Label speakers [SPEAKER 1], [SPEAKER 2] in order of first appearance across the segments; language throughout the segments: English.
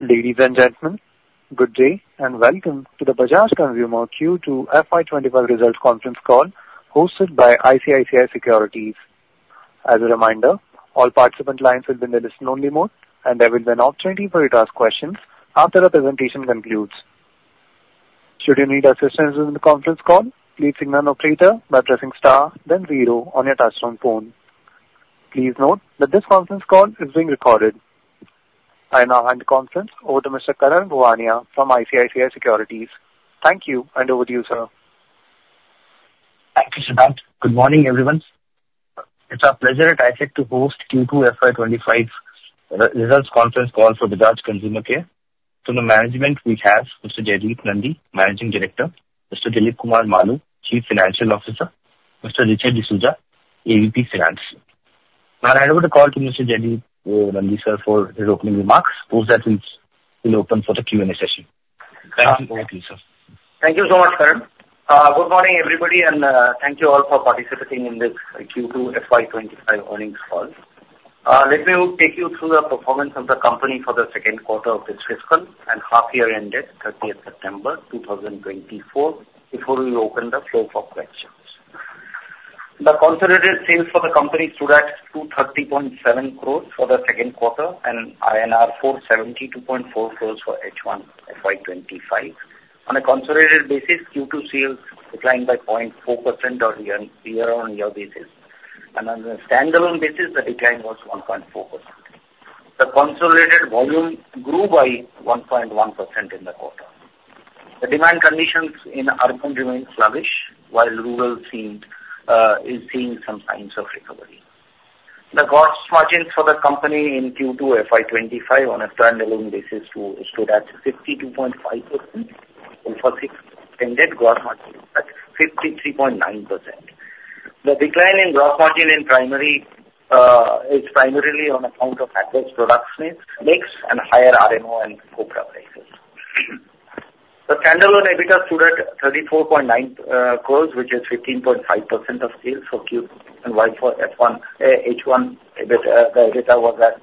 [SPEAKER 1] Ladies and gentlemen, good day and welcome to the Bajaj Consumer Care Q2 FY25 Results Conference call hosted by ICICI Securities. As a reminder, all participant lines will be in the listen-only mode, and there will be an opportunity for you to ask questions after the presentation concludes. Should you need assistance within the conference call, please press star, then zero on your touch-tone phone. Please note that this conference call is being recorded. I now hand the conference over to Mr. Karan Bhuvania from ICICI Securities. Thank you, and over to you, sir.
[SPEAKER 2] Thank you, Siddharth. Good morning, everyone. It's our pleasure at ISEC to host Q2 FY25 Results Conference call for Bajaj Consumer Care. To the management, we have Mr. Jaideep Nandi, Managing Director, Mr. Dileep Kumar Malu, Chief Financial Officer, Mr. Richard D'Souza, AVP Finance. Now, I'll hand over the call to Mr. Jaideep Nandi, sir, for his opening remarks, post that we'll open for the Q&A session. Thank you.
[SPEAKER 3] Thank you so much, Karan. Good morning, everybody, and thank you all for participating in this Q2 FY25 earnings call. Let me take you through the performance of the company for the second quarter of this fiscal and half year ended 30th September 2024, before we open the floor for questions. The consolidated sales for the company stood at 230.7 crores for the second quarter and INR 472.4 crores for H1 FY25. On a consolidated basis, Q2 sales declined by 0.4% on a year-on-year basis. On a standalone basis, the decline was 1.4%. The consolidated volume grew by 1.1% in the quarter. The demand conditions in urban remained sluggish, while rural is seeing some signs of recovery. The gross margins for the company in Q2 FY25 on a standalone basis stood at 52.5%, and for the six months ended, gross margins at 53.9%. The decline in gross margin is primarily on account of adverse product mix and higher RMO and copra prices. The standalone EBITDA stood at 34.9 crores, which is 15.5% of sales for Q1, while for H1, the EBITDA was at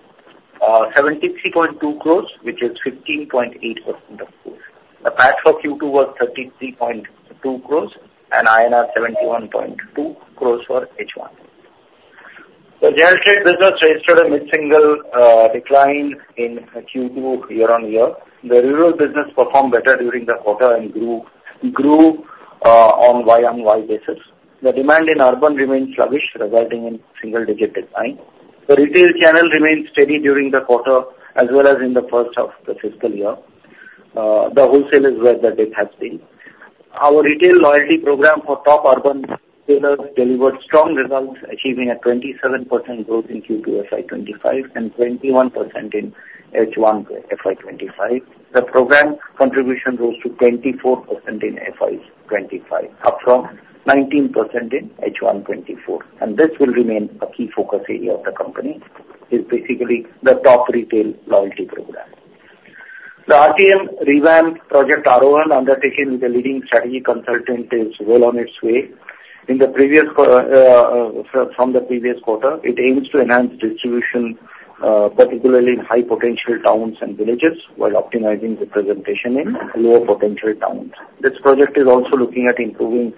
[SPEAKER 3] 73.2 crores, which is 15.8% of sales. The PAT for Q2 was 33.2 crores and INR 71.2 crores for H1. The General Trade business registered a mid-single decline in Q2 year-on-year. The rural business performed better during the quarter and grew on Y on Y basis. The demand in urban remained sluggish, resulting in single-digit decline. The retail channel remained steady during the quarter, as well as in the first half of the fiscal year. The wholesalers were the dead heartbeat. Our Retail Loyalty Program for top urban sellers delivered strong results, achieving a 27% growth in Q2 FY25 and 21% in H1 FY25. The program contribution rose to 24% in FY25, up from 19% in H1 24. This will remain a key focus area of the company, basically the top retail loyalty program. The RTM revamp Project Aarohan undertaken with the leading strategy consultant is well on its way. From the previous quarter, it aims to enhance distribution, particularly in high-potential towns and villages, while optimizing representation in lower-potential towns. This project is also looking at improving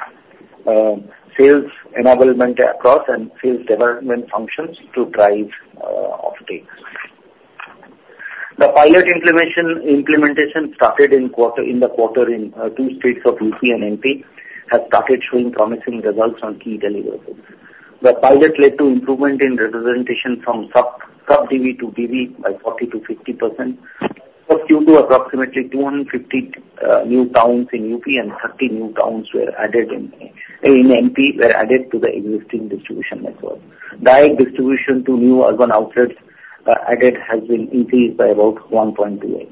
[SPEAKER 3] sales enablement across and sales development functions to drive uptake. The pilot implementation started in the quarter in two states of UP and MP has started showing promising results on key deliverables. The pilot led to improvement in representation from Sub-D to DB by 40%-50%. Q2, approximately 250 new towns in UP and 30 new towns in MP were added to the existing distribution network. Direct distribution to new urban outlets added has been increased by about 1.2x.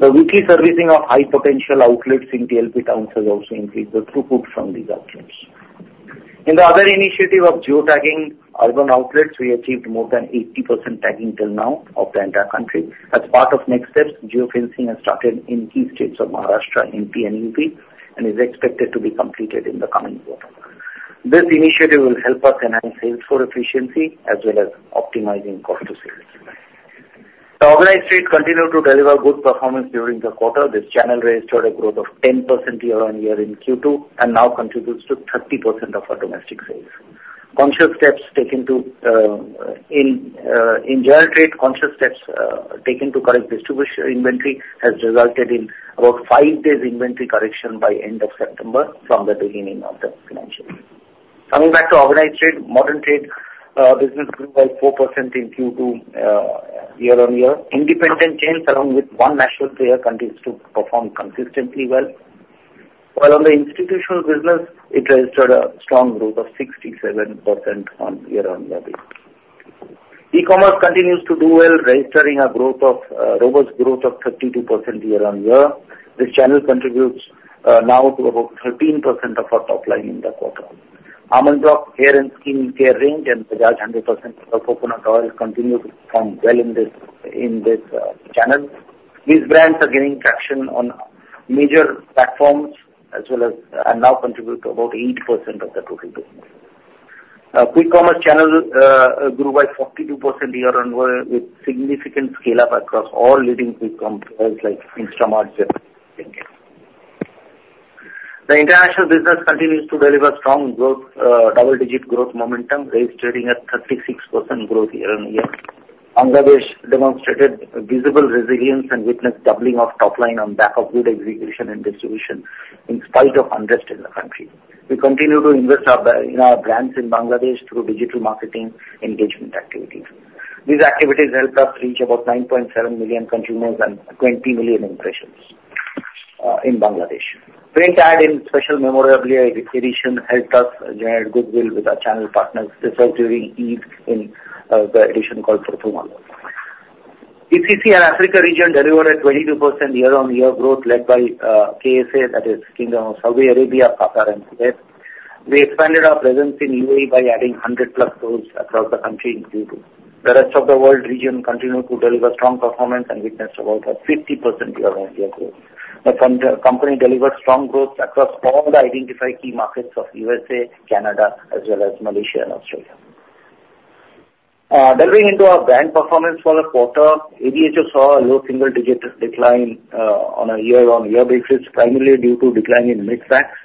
[SPEAKER 3] The weekly servicing of high-potential outlets in TLP towns has also increased the throughput from these outlets. In the other initiative of geotagging urban outlets, we achieved more than 80% tagging till now of the entire country. As part of next steps, geofencing has started in key states of Maharashtra, MP, and UP, and is expected to be completed in the coming quarter. This initiative will help us enhance sales for efficiency as well as optimizing cost of sales. The organized trade continued to deliver good performance during the quarter. This channel registered a growth of 10% year-on-year in Q2 and now contributes to 30% of our domestic sales. In General Trade, conscious steps taken to correct distribution inventory has resulted in about five days inventory correction by end of September from the beginning of the financial year. Coming back to organized trade, modern trade business grew by 4% in Q2 year-on-year. Independent chains, along with one national player, continue to perform consistently well. While on the institutional business, it registered a strong growth of 67% on year-on-year basis. E-commerce continues to do well, registering a robust growth of 32% year-on-year. This channel contributes now to about 13% of our top line in the quarter. Almond Drops Hair and Skin Care range and Bajaj 100% Coconut Oil continue to perform well in this channel. These brands are gaining traction on major platforms and now contribute to about 8% of the total business. Quick Commerce channel grew by 42% year-on-year with significant scale-up across all leading quick commerce brands like Instamart and Zepto. The international business continues to deliver strong double-digit growth momentum, registering a 36% growth year-on-year. Bangladesh demonstrated visible resilience and witnessed doubling of top line on back of good execution and distribution in spite of unrest in the country. We continue to invest in our brands in Bangladesh through digital marketing engagement activities. These activities help us reach about 9.7 million consumers and 20 million impressions in Bangladesh. Print ad in special memorabilia edition helped us generate goodwill with our channel partners. This was during Eid in the edition called Prothom Alo. GCC and Africa region delivered a 22% year-on-year growth led by KSA, that is Kingdom of Saudi Arabia, Qatar, and Kuwait. We expanded our presence in UAE by adding 100-plus stores across the country in Q2. The rest of the world region continued to deliver strong performance and witnessed about a 50% year-on-year growth. The company delivered strong growth across all the identified key markets of USA, Canada, as well as Malaysia and Australia. Delving into our brand performance for the quarter, ADHO saw a low single-digit decline on a year-on-year basis, primarily due to decline in mixed packs.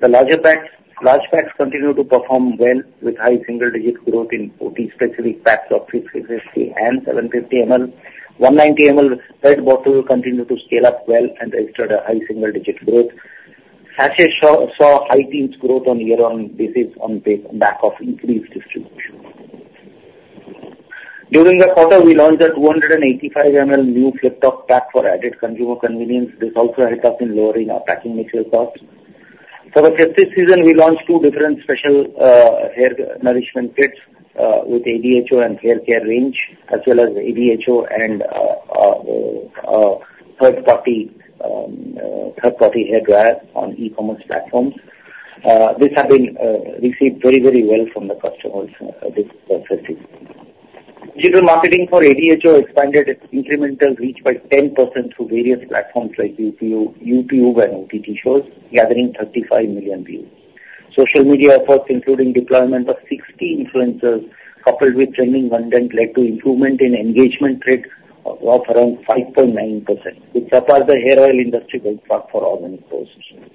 [SPEAKER 3] The large packs continue to perform well with high single-digit growth in four specific packs of 650 and 750 ml. 190 ml red bottle continued to scale up well and registered a high single-digit growth. Sachet saw high teens growth on a year-on-year basis on back of increased distribution. During the quarter, we launched a 285 ml new flip-top pack for added consumer convenience. This also helped us in lowering our packing material costs. For the festive season, we launched two different special hair nourishment kits with ADHO and Hair Care Range, as well as ADHO and third-party hair dryers on e-commerce platforms. These have been received very, very well from the customers this festive. Digital marketing for ADHO expanded its incremental reach by 10% through various platforms like YouTube and OTT shows, gathering 35 million views. Social media efforts, including deployment of 60 influencers coupled with trending content, led to improvement in engagement rates of around 5.9%, which topples the hair oil industry by far for all the exposures.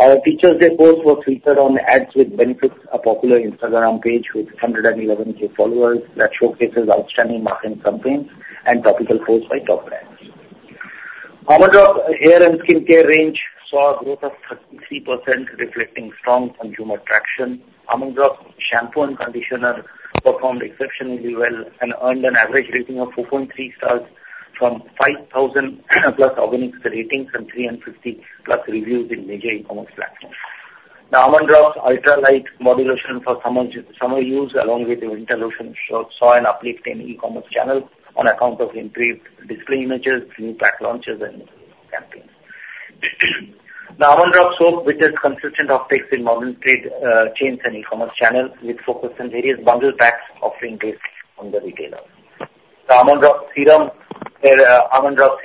[SPEAKER 3] Our Teachers' Day post was featured on Ads With Benefits: a popular Instagram page with 111,000 followers that showcases outstanding marketing campaigns and topical posts by top brands. Almond Drops Hair and Skin Care Range saw a growth of 33%, reflecting strong consumer traction. Drops shampoo and conditioner performed exceptionally well and earned an average rating of 4.3 stars from 5,000-plus organic ratings and 350-plus reviews in major e-commerce platforms. The Almond Drops Ultralight Moisturizer for Summer Use, along with the Winter Lotion, saw an uplift in e-commerce channels on account of improved display images, new pack launches, and campaigns. The Almond Drops Soap, which is consistent offtake in modern trade chains and e-commerce channels, with focus on various bundle packs offering based on the retailer. The Almond Drops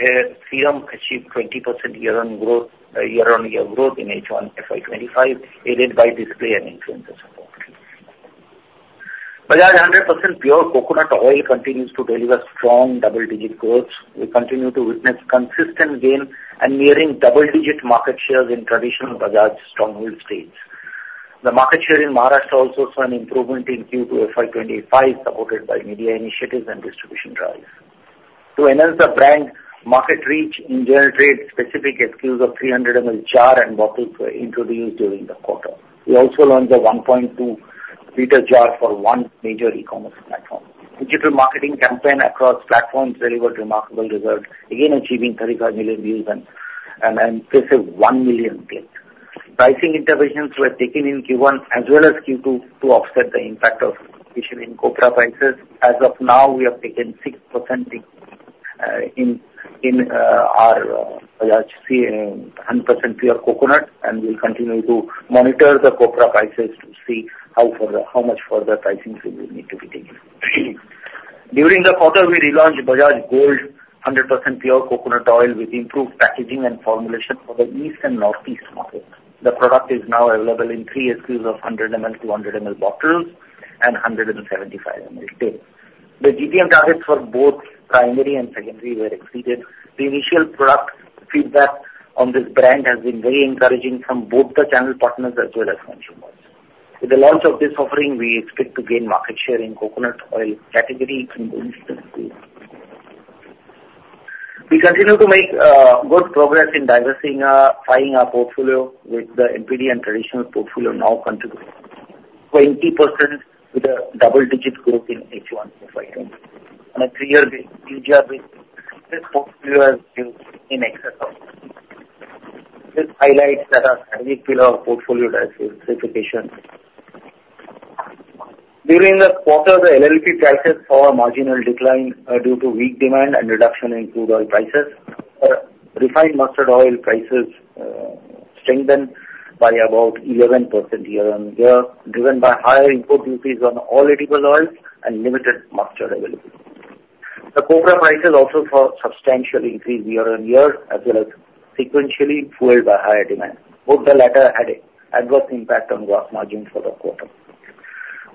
[SPEAKER 3] Serum achieved 20% year-on-year growth in H1 FY25, aided by display and influencer support. Bajaj 100% Pure Coconut Oil continues to deliver strong double-digit growth. We continue to witness consistent gain and nearing double-digit market shares in traditional Bajaj stronghold states. The market share in Maharashtra also saw an improvement in Q2 FY25, supported by media initiatives and distribution drives. To enhance the brand market reach, in general trade, specific SKUs of 300 ml jar and bottles were introduced during the quarter. We also launched a 1.2-liter jar for one major e-commerce platform. Digital marketing campaign across platforms delivered remarkable results, again achieving 35 million views and an impressive 1 million clicks. Pricing interventions were taken in Q1 as well as Q2 to offset the impact of rising copra prices. As of now, we have taken 6% in our Bajaj 100% Pure Coconut Oil, and we'll continue to monitor the copra prices to see how much further pricing will need to be taken. During the quarter, we relaunched Bajaj Gold 100% Pure Coconut Oil with improved packaging and formulation for the East and Northeast market. The product is now available in three SKUs of 100 ml, 200 ml bottles, and 175 ml tins. The GTM targets for both primary and secondary were exceeded. The initial product feedback on this brand has been very encouraging from both the channel partners as well as consumers. With the launch of this offering, we expect to gain market share in coconut oil category in the East instantly. We continue to make good progress in diversifying our portfolio, with the NPD and traditional portfolio now contributing 20% with a double-digit growth in H1 FY25. On a three-year basis, this portfolio has been in excellent shape. This highlights that our strategic pillar of portfolio diversification. During the quarter, the LLP prices saw a marginal decline due to weak demand and reduction in crude oil prices. Refined mustard oil prices strengthened by about 11% year-on-year, driven by higher import duties on all edible oils and limited mustard availability. The copra prices also saw a substantial increase year-on-year, as well as sequentially fueled by higher demand. Both the latter had an adverse impact on gross margins for the quarter.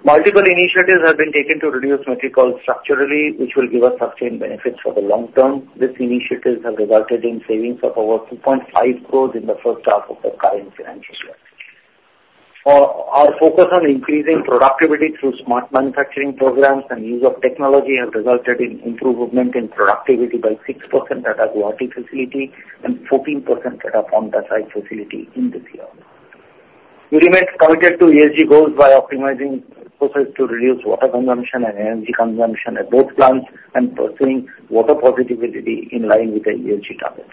[SPEAKER 3] Multiple initiatives have been taken to reduce mineral oil structurally, which will give us sustained benefits for the long term. These initiatives have resulted in savings of over 2.5 crores in the first half of the current financial year. Our focus on increasing productivity through smart manufacturing programs and use of technology has resulted in improvement in productivity by 6% at our Guwahati facility and 14% at our Paonta Sahib facility in this year. We remained committed to ESG goals by optimizing processes to reduce water consumption and energy consumption at both plants and pursuing water positivity in line with the ESG targets.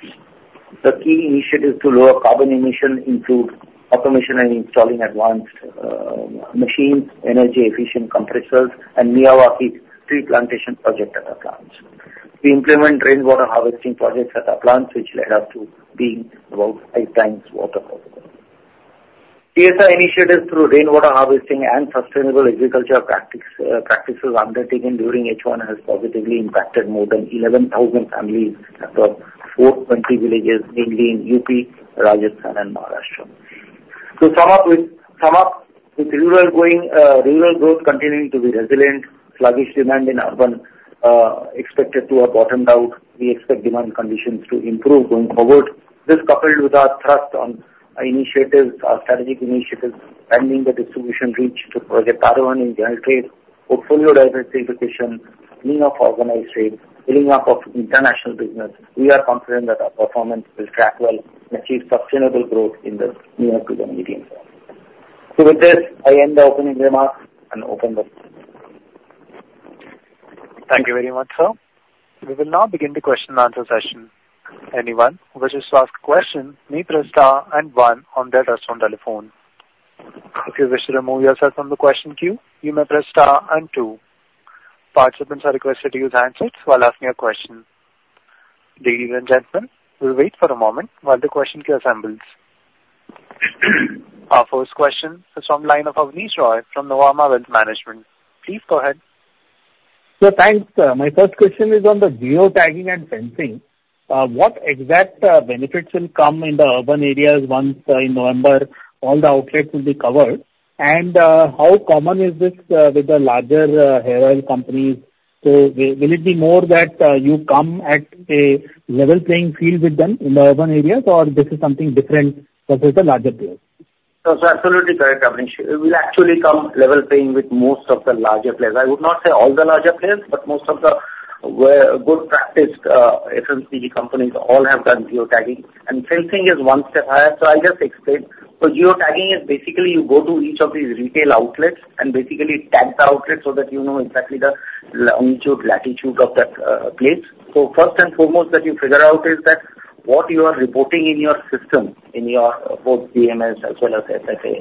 [SPEAKER 3] The key initiatives to lower carbon emission include automation and installing advanced machines, energy-efficient compressors, and Miyawaki tree plantation projects at our plants. We implemented rainwater harvesting projects at our plants, which led us to being about five times water profitable. TSI initiatives through rainwater harvesting and sustainable agriculture practices undertaken during H1 have positively impacted more than 11,000 families across 420 villages, mainly in UP, Rajasthan, and Maharashtra. To sum up with rural growth continuing to be resilient, sluggish demand in urban expected to have bottomed out. We expect demand conditions to improve going forward. This coupled with our thrust on initiatives, our strategic initiatives, expanding the distribution reach through Project Aarohan in general trade, portfolio diversification, freeing up organized trade, freeing up international business, we are confident that our performance will track well and achieve sustainable growth in the near to the medium term. With this, I end the opening remarks and open the floor.
[SPEAKER 1] Thank you very much, sir. We will now begin the question-and-answer session. Anyone who wishes to ask a question may press star and one on their touch-tone telephone. If you wish to remove yourself from the question queue, you may press star and two. Participants are requested to use handsets while asking a question. Ladies and gentlemen, we'll wait for a moment while the question queue assembles. Our first question is from the line of Abneesh Roy from Nuvama Wealth Management. Please go ahead.
[SPEAKER 4] So thanks, sir. My first question is on the geotagging and geofencing. What exact benefits will come in the urban areas once, in November, all the outlets will be covered? And how common is this with the larger hair oil companies?
[SPEAKER 3] So will it be more that you come at a level playing field with them in the urban areas, or this is something different versus the larger players? That's absolutely correct, Abneesh. We'll actually come level playing with most of the larger players. I would not say all the larger players, but most of the good practiced FMCG companies all have done geotagging. And geofencing is one step higher. So I'll just explain. So geotagging is basically you go to each of these retail outlets and basically tag the outlet so that you know exactly the longitude, latitude of that place. So first and foremost that you figure out is that what you are reporting in your system, in your both DMS as well as SSA,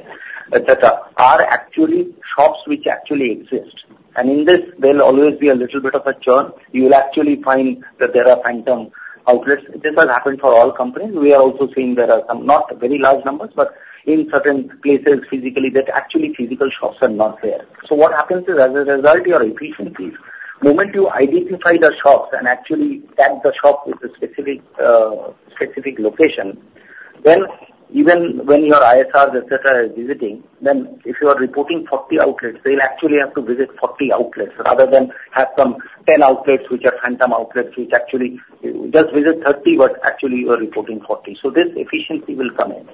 [SPEAKER 3] etc., are actually shops which actually exist. And in this, there'll always be a little bit of a churn. You'll actually find that there are phantom outlets. This has happened for all companies. We are also seeing there are some not very large numbers, but in certain places physically, that actually physical shops are not there. So what happens is, as a result, your efficiencies, the moment you identify the shops and actually tag the shop with a specific location, then even when your ISRs, etc., are visiting, then if you are reporting 40 outlets, they'll actually have to visit 40 outlets rather than have some 10 outlets which are phantom outlets, which actually just visit 30, but actually you are reporting 40. So this efficiency will come in.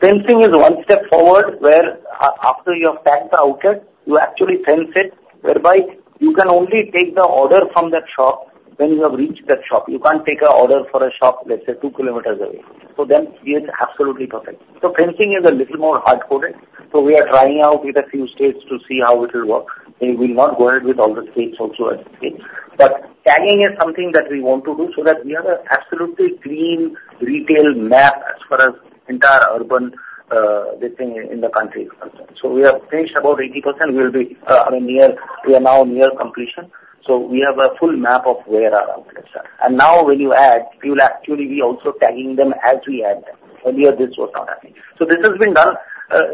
[SPEAKER 3] Fencing is one step forward where after you have tagged the outlet, you actually fence it, whereby you can only take the order from that shop when you have reached that shop. You can't take an order for a shop, let's say, two kilometers away, so then it's absolutely perfect. So fencing is a little more hardcoded, so we are trying out with a few states to see how it will work. We will not go ahead with all the states also at this stage, but tagging is something that we want to do so that we have an absolutely clean retail map as far as entire urban listing in the country. So we have finished about 80%. We are now near completion, so we have a full map of where our outlets are, and now when you add, you will actually be also tagging them as we add them. Earlier, this was not happening, so this has been done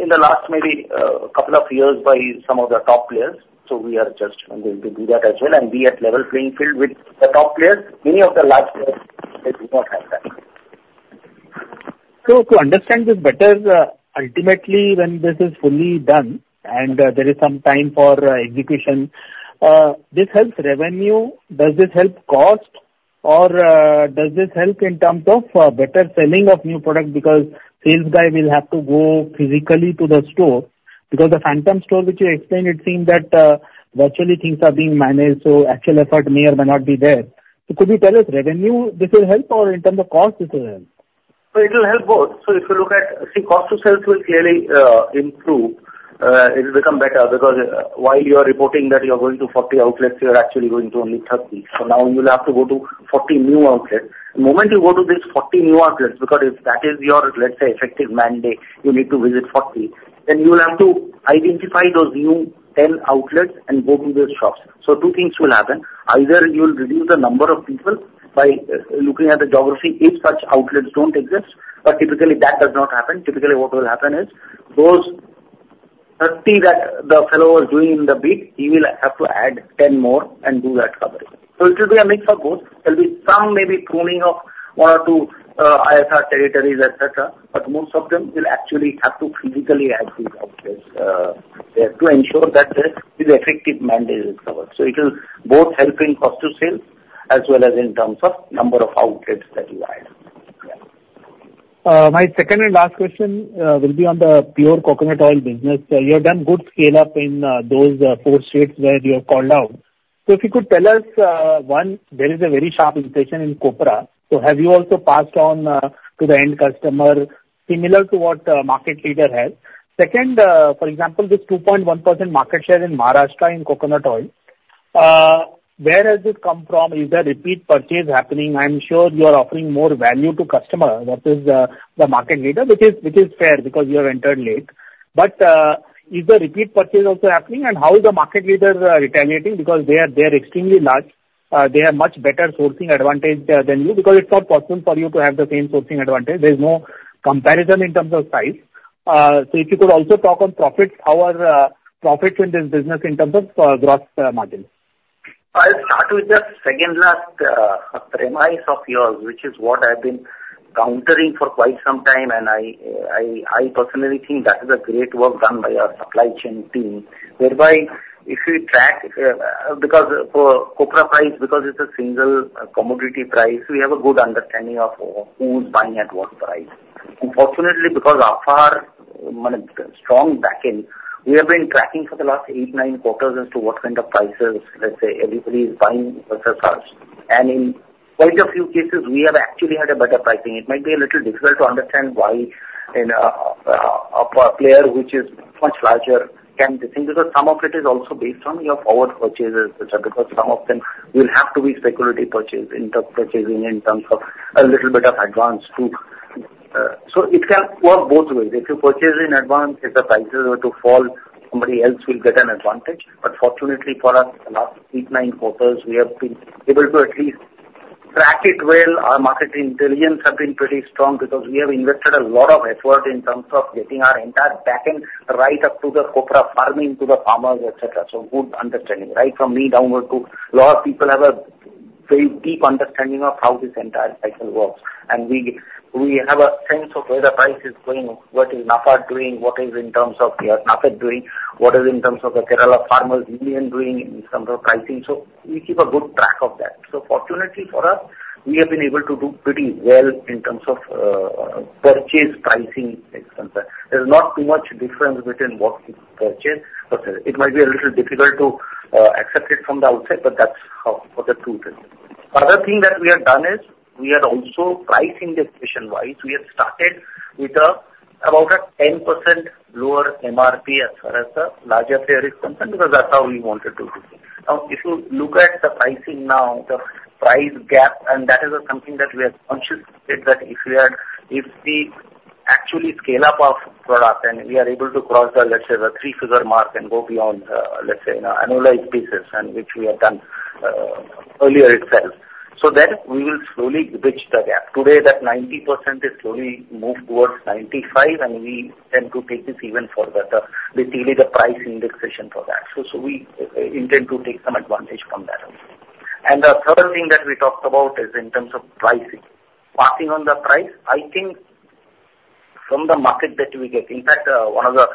[SPEAKER 3] in the last maybe couple of years by some of the top players. So we are just going to do that as well and be at level playing field with the top players. Many of the large players do not have that. So to understand this better, ultimately, when this is fully done and there is some time for execution, this helps revenue. Does this help cost, or does this help in terms of better selling of new product? Because sales guy will have to go physically to the store. Because the phantom store, which you explained, it seemed that virtually things are being managed, so actual effort may or may not be there. So could you tell us revenue, this will help, or in terms of cost, this will help? So it will help both. So if you look at, see, cost to sales will clearly improve. It will become better because while you are reporting that you are going to 40 outlets, you are actually going to only 30. So now you'll have to go to 40 new outlets. The moment you go to these 40 new outlets, because if that is your, let's say, effective mandate, you need to visit 40, then you will have to identify those new 10 outlets and go to those shops. So two things will happen. Either you'll reduce the number of people by looking at the geography if such outlets don't exist. But typically, that does not happen. Typically, what will happen is those 30 that the fellow was doing in the beat, he will have to add 10 more and do that coverage. So it will be a mix of both. There'll be some maybe pruning of one or two ISR territories, etc., but most of them will actually have to physically add these outlets to ensure that this effective mandate is covered. So it'll both help in cost to sales as well as in terms of number of outlets that you add.
[SPEAKER 4] My second and last question will be on the pure coconut oil business. You have done good scale-up in those four states where you have called out. So if you could tell us, one, there is a very sharp inflation in copra. So have you also passed on to the end customer similar to what the market leader has? Second, for example, this 2.1% market share in Maharashtra in coconut oil, where has this come from? Is there repeat purchase happening? I'm sure you are offering more value to customers versus the market leader, which is fair because you have entered late. But is the repeat purchase also happening, and how is the market leader retaliating? Because they are extremely large. They have much better sourcing advantage than you because it's not possible for you to have the same sourcing advantage. There's no comparison in terms of size. So if you could also talk on profits, how are profits in this business in terms of gross margins? I'll start with the second last premise of yours, which is what I've been countering for quite some time, and I personally think that is a great work done by our supply chain team, whereby if you track because for copra price, because it's a single commodity price, we have a good understanding of who's buying at what price.
[SPEAKER 3] Unfortunately, because of our strong backing, we have been tracking for the last eight, nine quarters as to what kind of prices, let's say, everybody is buying versus us. And in quite a few cases, we have actually had a better pricing. It might be a little difficult to understand why a player which is much larger can do things because some of it is also based on your forward purchases, etc., because some of them will have to be speculative purchasing in terms of a little bit of advance too. So it can work both ways. If you purchase in advance, if the prices were to fall, somebody else will get an advantage. But fortunately for us, the last eight, nine quarters, we have been able to at least track it well. Our market intelligence has been pretty strong because we have invested a lot of effort in terms of getting our entire backend right up to the copra farming to the farmers, etc. So good understanding, right from me downward to a lot of people have a very deep understanding of how this entire cycle works. And we have a sense of where the price is going, what is NAFED doing, what is in terms of NAFED doing, what is in terms of the Kerala Farmers Union doing in terms of pricing. So we keep a good track of that. So fortunately for us, we have been able to do pretty well in terms of purchase pricing, etc. There's not too much difference between what is purchased. It might be a little difficult to accept it from the outside, but that's how the truth is. The other thing that we have done is we are also pricing this mission-wise. We have started with about a 10% lower MRP as far as the larger players come in because that's how we wanted to do it. Now, if you look at the pricing now, the price gap, and that is something that we have consciously said that if we actually scale up our product and we are able to cross the, let's say, the three-figure mark and go beyond, let's say, an annualized basis, which we have done earlier itself, so then we will slowly bridge the gap. Today, that 90% is slowly moved towards 95%, and we tend to take this even further, basically the price indexation for that. So we intend to take some advantage from that. And the third thing that we talked about is in terms of pricing. Passing on the price, I think from the market that we get, in fact, one of the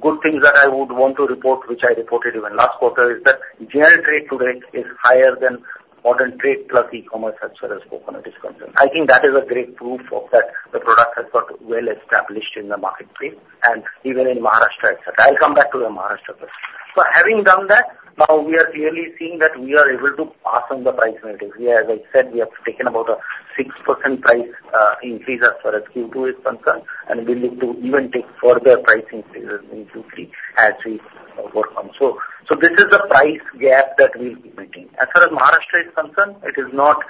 [SPEAKER 3] good things that I would want to report, which I reported even last quarter, is that general trade today is higher than modern trade plus e-commerce as far as coconut is concerned. I think that is a great proof of that the product has got well established in the marketplace and even in Maharashtra, etc. I'll come back to the Maharashtra question. So having done that, now we are clearly seeing that we are able to pass on the price narrative. As I said, we have taken about a 6% price increase as far as Q2 is concerned, and we look to even take further price increases in Q3 as we work on. So this is the price gap that we'll be making. As far as Maharashtra is concerned, it is not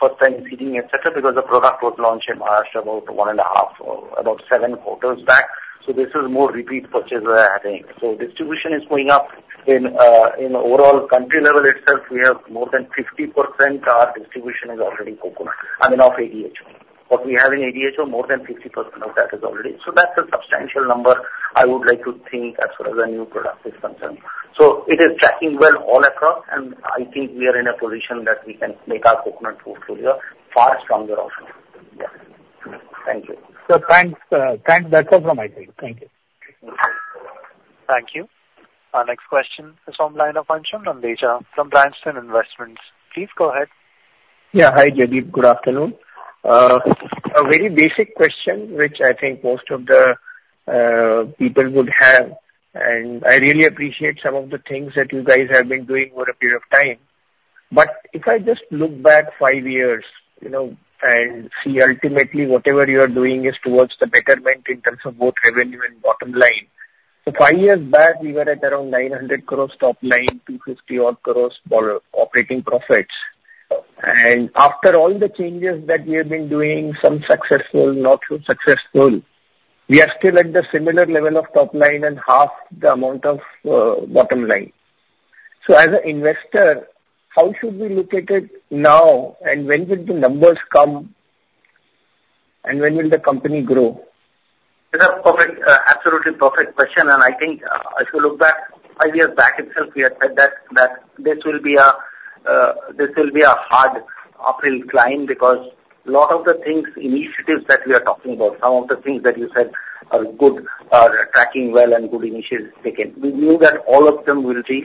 [SPEAKER 3] first-time seeding, etc., because the product was launched in Maharashtra about one and a half, about seven quarters back. So this is more repeat purchase where I think. So distribution is going up. In overall country level itself, we have more than 50% of our distribution is already coconut, I mean, of ADHO. What we have in ADHO, more than 50% of that is already. So that's a substantial number I would like to think as far as a new product is concerned. So it is tracking well all across, and I think we are in a position that we can make our coconut portfolio far stronger also. Yeah. Thank you.
[SPEAKER 1] So thanks. Thanks. That's all from my side. Thank you. Thank you. Our next question is from the line of Vijay from Bryanston Investments. Please go ahead. Yeah.
[SPEAKER 5] Hi, Jaideep. Good afternoon. A very basic question, which I think most of the people would have, and I really appreciate some of the things that you guys have been doing for a period of time. But if I just look back five years and see ultimately whatever you are doing is towards the betterment in terms of both revenue and bottom line. So five years back, we were at around 900 crores top line, 250-odd crores operating profits. And after all the changes that we have been doing, some successful, not so successful, we are still at the similar level of top line and half the amount of bottom line. So as an investor, how should we look at it now, and when will the numbers come, and when will the company grow? That's an absolutely perfect question.
[SPEAKER 3] And I think if you look back five years back itself, we had said that this will be a hard uphill climb because a lot of the things, initiatives that we are talking about, some of the things that you said are good, are tracking well and good initiatives taken. We knew that all of them will be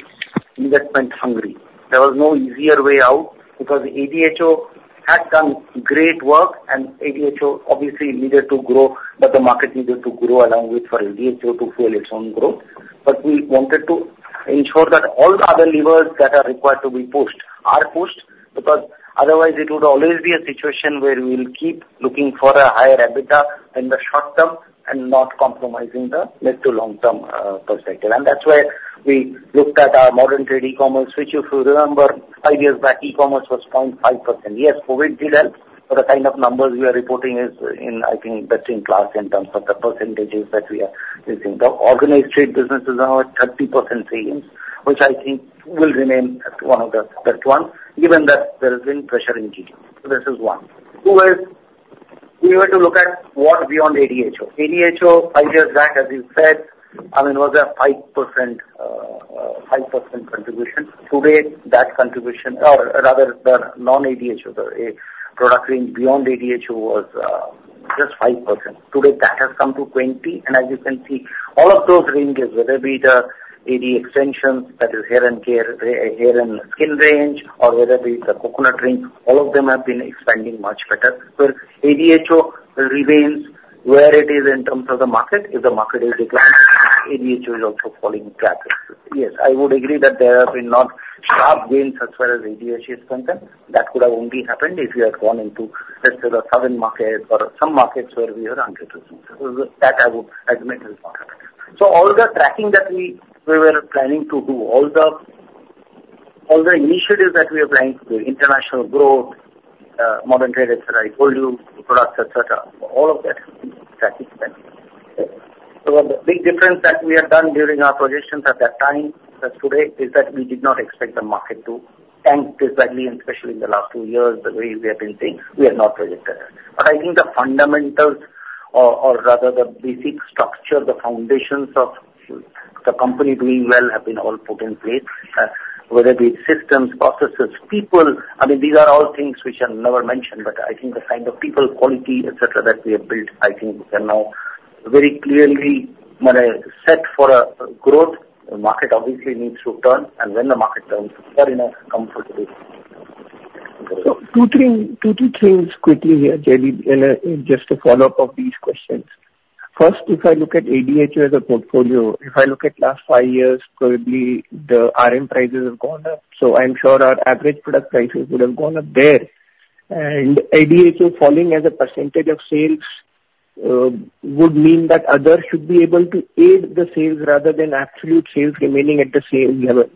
[SPEAKER 3] investment-hungry. There was no easier way out because ADHO had done great work, and ADHO obviously needed to grow, but the market needed to grow along with for ADHO to fuel its own growth. But we wanted to ensure that all the other levers that are required to be pushed are pushed because otherwise it would always be a situation where we'll keep looking for a higher EBITDA in the short term and not compromising the mid to long-term perspective. And that's why we looked at our modern trade e-commerce, which, if you remember, five years back, e-commerce was 0.5%. Yes, COVID did help, but the kind of numbers we are reporting is in, I think, best-in-class in terms of the percentages that we are using. The organized trade businesses are 30% savings, which I think will remain one of the best ones, given that there has been pressure in GDP. So this is one. We were to look at what beyond ADHO. ADHO, five years back, as you said, I mean, was a 5% contribution. Today, that contribution, or rather the non-ADHO, the product range beyond ADHO was just 5%. Today, that has come to 20%. And as you can see, all of those ranges, whether be the AD extensions that is hair and skin range, or whether be the coconut range, all of them have been expanding much better. Where ADHO remains where it is in terms of the market, if the market is declining, ADHO is also falling back. Yes, I would agree that there have been not sharp gains as far as ADHO is concerned. That could have only happened if you had gone into, let's say, the southern market or some markets where we are 100%. That I would admit is not happening. So all the tracking that we were planning to do, all the initiatives that we are planning to do, international growth, modern trade, etc., I told you, products, etc., all of that tracking has been. So the big difference that we have done during our projections at that time as today is that we did not expect the market to tank this badly, and especially in the last two years, the way we have been seeing, we have not predicted that. But I think the fundamentals, or rather the basic structure, the foundations of the company doing well have been all put in place, whether be systems, processes, people. I mean, these are all things which are never mentioned, but I think the kind of people, quality, etc., that we have built, I think, can now very clearly set for a growth. The market obviously needs to turn, and when the market turns, we are in a comfortable position.
[SPEAKER 5] So two to three things quickly here, Jaideep, just to follow up on these questions. First, if I look at ADHO as a portfolio, if I look at last five years, probably the RM prices have gone up. So I'm sure our average product prices would have gone up there. And ADHO falling as a percentage of sales would mean that others should be able to aid the sales rather than absolute sales remaining at the same level.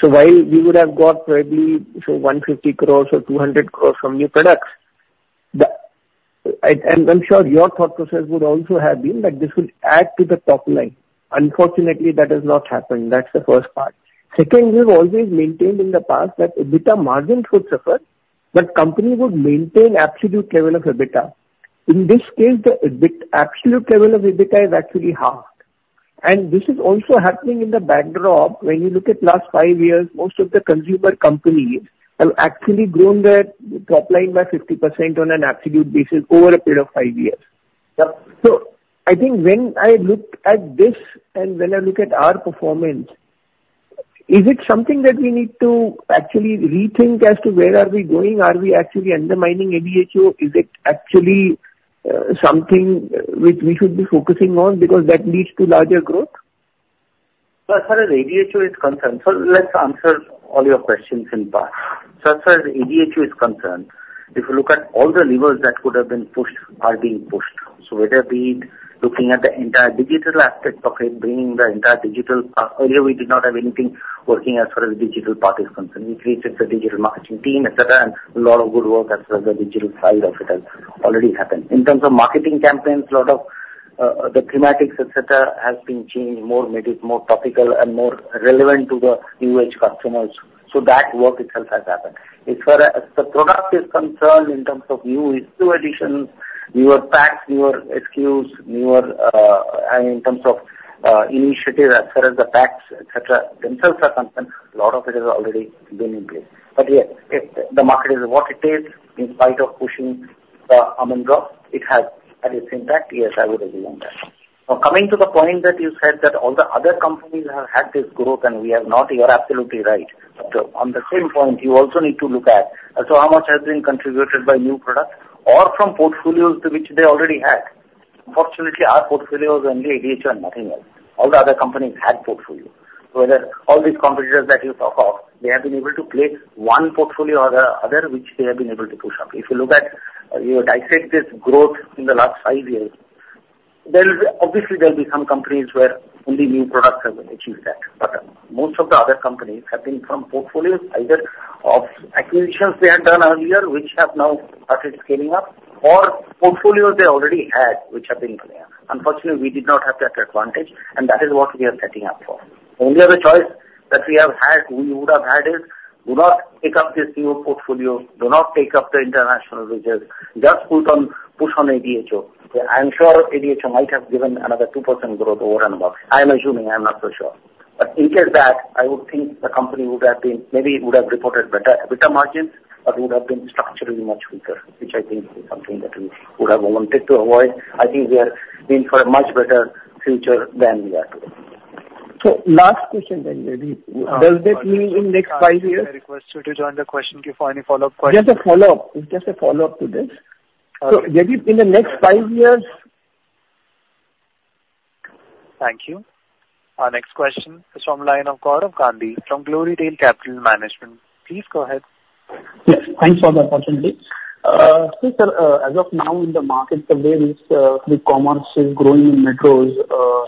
[SPEAKER 5] So while we would have got probably 150 crores or 200 crores from new products, I'm sure your thought process would also have been that this would add to the top line. Unfortunately, that has not happened. That's the first part. Second, we've always maintained in the past that EBITDA margin should suffer, but company would maintain absolute level of EBITDA. In this case, the absolute level of EBITDA is actually halved. And this is also happening in the backdrop. When you look at last five years, most of the consumer companies have actually grown their top line by 50% on an absolute basis over a period of five years. So I think when I look at this and when I look at our performance, is it something that we need to actually rethink as to where are we going? Are we actually undermining ADHO? Is it actually something which we should be focusing on because that leads to larger growth?
[SPEAKER 3] As far as ADHO is concerned, so let's answer all your questions in part. So as far as ADHO is concerned, if you look at all the levers that could have been pushed, are being pushed. So whether be looking at the entire digital aspect of it, bringing the entire digital part, earlier we did not have anything working as far as digital part is concerned. We created the digital marketing team, etc., and a lot of good work as far as the digital side of it has already happened. In terms of marketing campaigns, a lot of the thematics, etc., has been changed more, made it more topical and more relevant to the new-age customers. So that work itself has happened. As far as the product is concerned in terms of new SKU additions, newer packs, newer SKUs, newer in terms of initiatives as far as the packs, etc., themselves are concerned, a lot of it has already been in place. But yes, if the market is what it is, in spite of pushing the amount of, it has had its impact, yes, I would agree on that. Now, coming to the point that you said that all the other companies have had this growth and we have not, you are absolutely right. On the same point, you also need to look at how much has been contributed by new products or from portfolios which they already had. Fortunately, our portfolio is only ADHO and nothing else. All the other companies had portfolios. Whether all these competitors that you talk of, they have been able to place one portfolio or the other which they have been able to push up. If you look at, you dissect this growth in the last five years, obviously there will be some companies where only new products have achieved that. But most of the other companies have been from portfolios, either of acquisitions they had done earlier, which have now started scaling up, or portfolios they already had, which have been playing. Unfortunately, we did not have that advantage, and that is what we are setting up for. only other choice that we have had, we would have had, is do not pick up this new portfolio, do not take up the international business, just push on ADHO. I'm sure ADHO might have given another 2% growth over and above. I'm assuming, I'm not so sure. But in that case, I would think the company would have been maybe would have reported better EBITDA margins, but it would have been structurally much weaker, which I think is something that we would have wanted to avoid. I think we are in for a much better future than we are today.
[SPEAKER 5] So last question then, Jaideep. Does that mean in the next five years?
[SPEAKER 1] I request you to join the question queue for any follow-up questions. Just a follow-up. Just a follow-up to this. So Jaideep, in the next five years.
[SPEAKER 5] Thank you. Our next question is from the line of Gaurav Gandhi from Glorytail Capital Management. Please go ahead.
[SPEAKER 6] Yes. Thanks for the opportunity. So sir, as of now in the market, the way this e-commerce is growing in metros,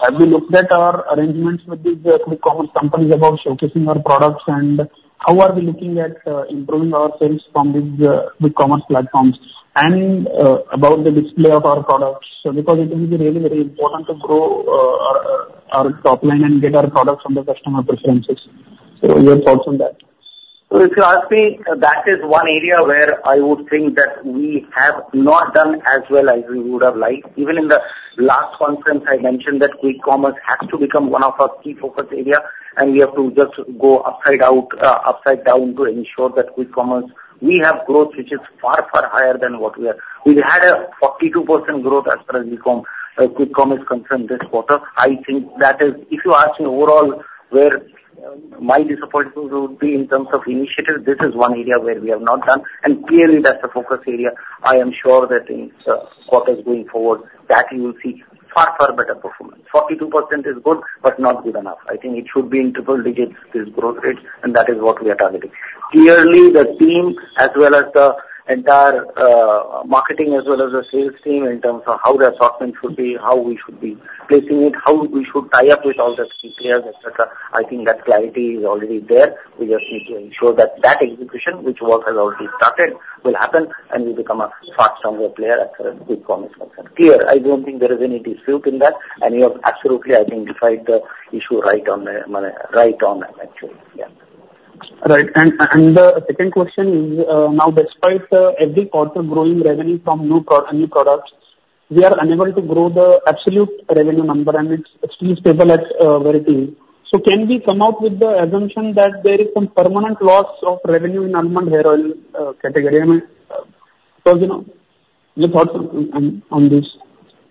[SPEAKER 6] have we looked at our arrangements with these e-commerce companies about showcasing our products and how are we looking at improving our sales from these e-commerce platforms and about the display of our products? Because it will be really, really important to grow our top line and get our products from the customer preferences. So your thoughts on that? So if you ask me, that is one area where I would think that we have not done as well as we would have liked.
[SPEAKER 3] Even in the last conference, I mentioned that e-commerce has to become one of our key focus areas, and we have to just go upside down to ensure that e-commerce, we have growth which is far, far higher than what we have. We had a 42% growth as far as e-commerce is concerned this quarter. I think that is, if you ask me overall where my disappointment would be in terms of initiatives, this is one area where we have not done. And clearly, that's the focus area. I am sure that in quarters going forward, that you will see far, far better performance. 42% is good, but not good enough. I think it should be in triple digits, this growth rate, and that is what we are targeting. Clearly, the team, as well as the entire marketing, as well as the sales team, in terms of how the assortment should be, how we should be placing it, how we should tie up with all the key players, etc., I think that clarity is already there. We just need to ensure that that execution, which work has already started, will happen and we become a far stronger player as far as e-commerce is concerned. Clear, I don't think there is any dispute in that, and you have absolutely identified the issue right on them, actually.
[SPEAKER 6] Yeah. Right. And the second question is, now despite every quarter growing revenue from new products, we are unable to grow the absolute revenue number, and it's still stable at 140. So can we come out with the assumption that there is some permanent loss of revenue in Almond hair oil category?
[SPEAKER 3] I mean, your thoughts on this.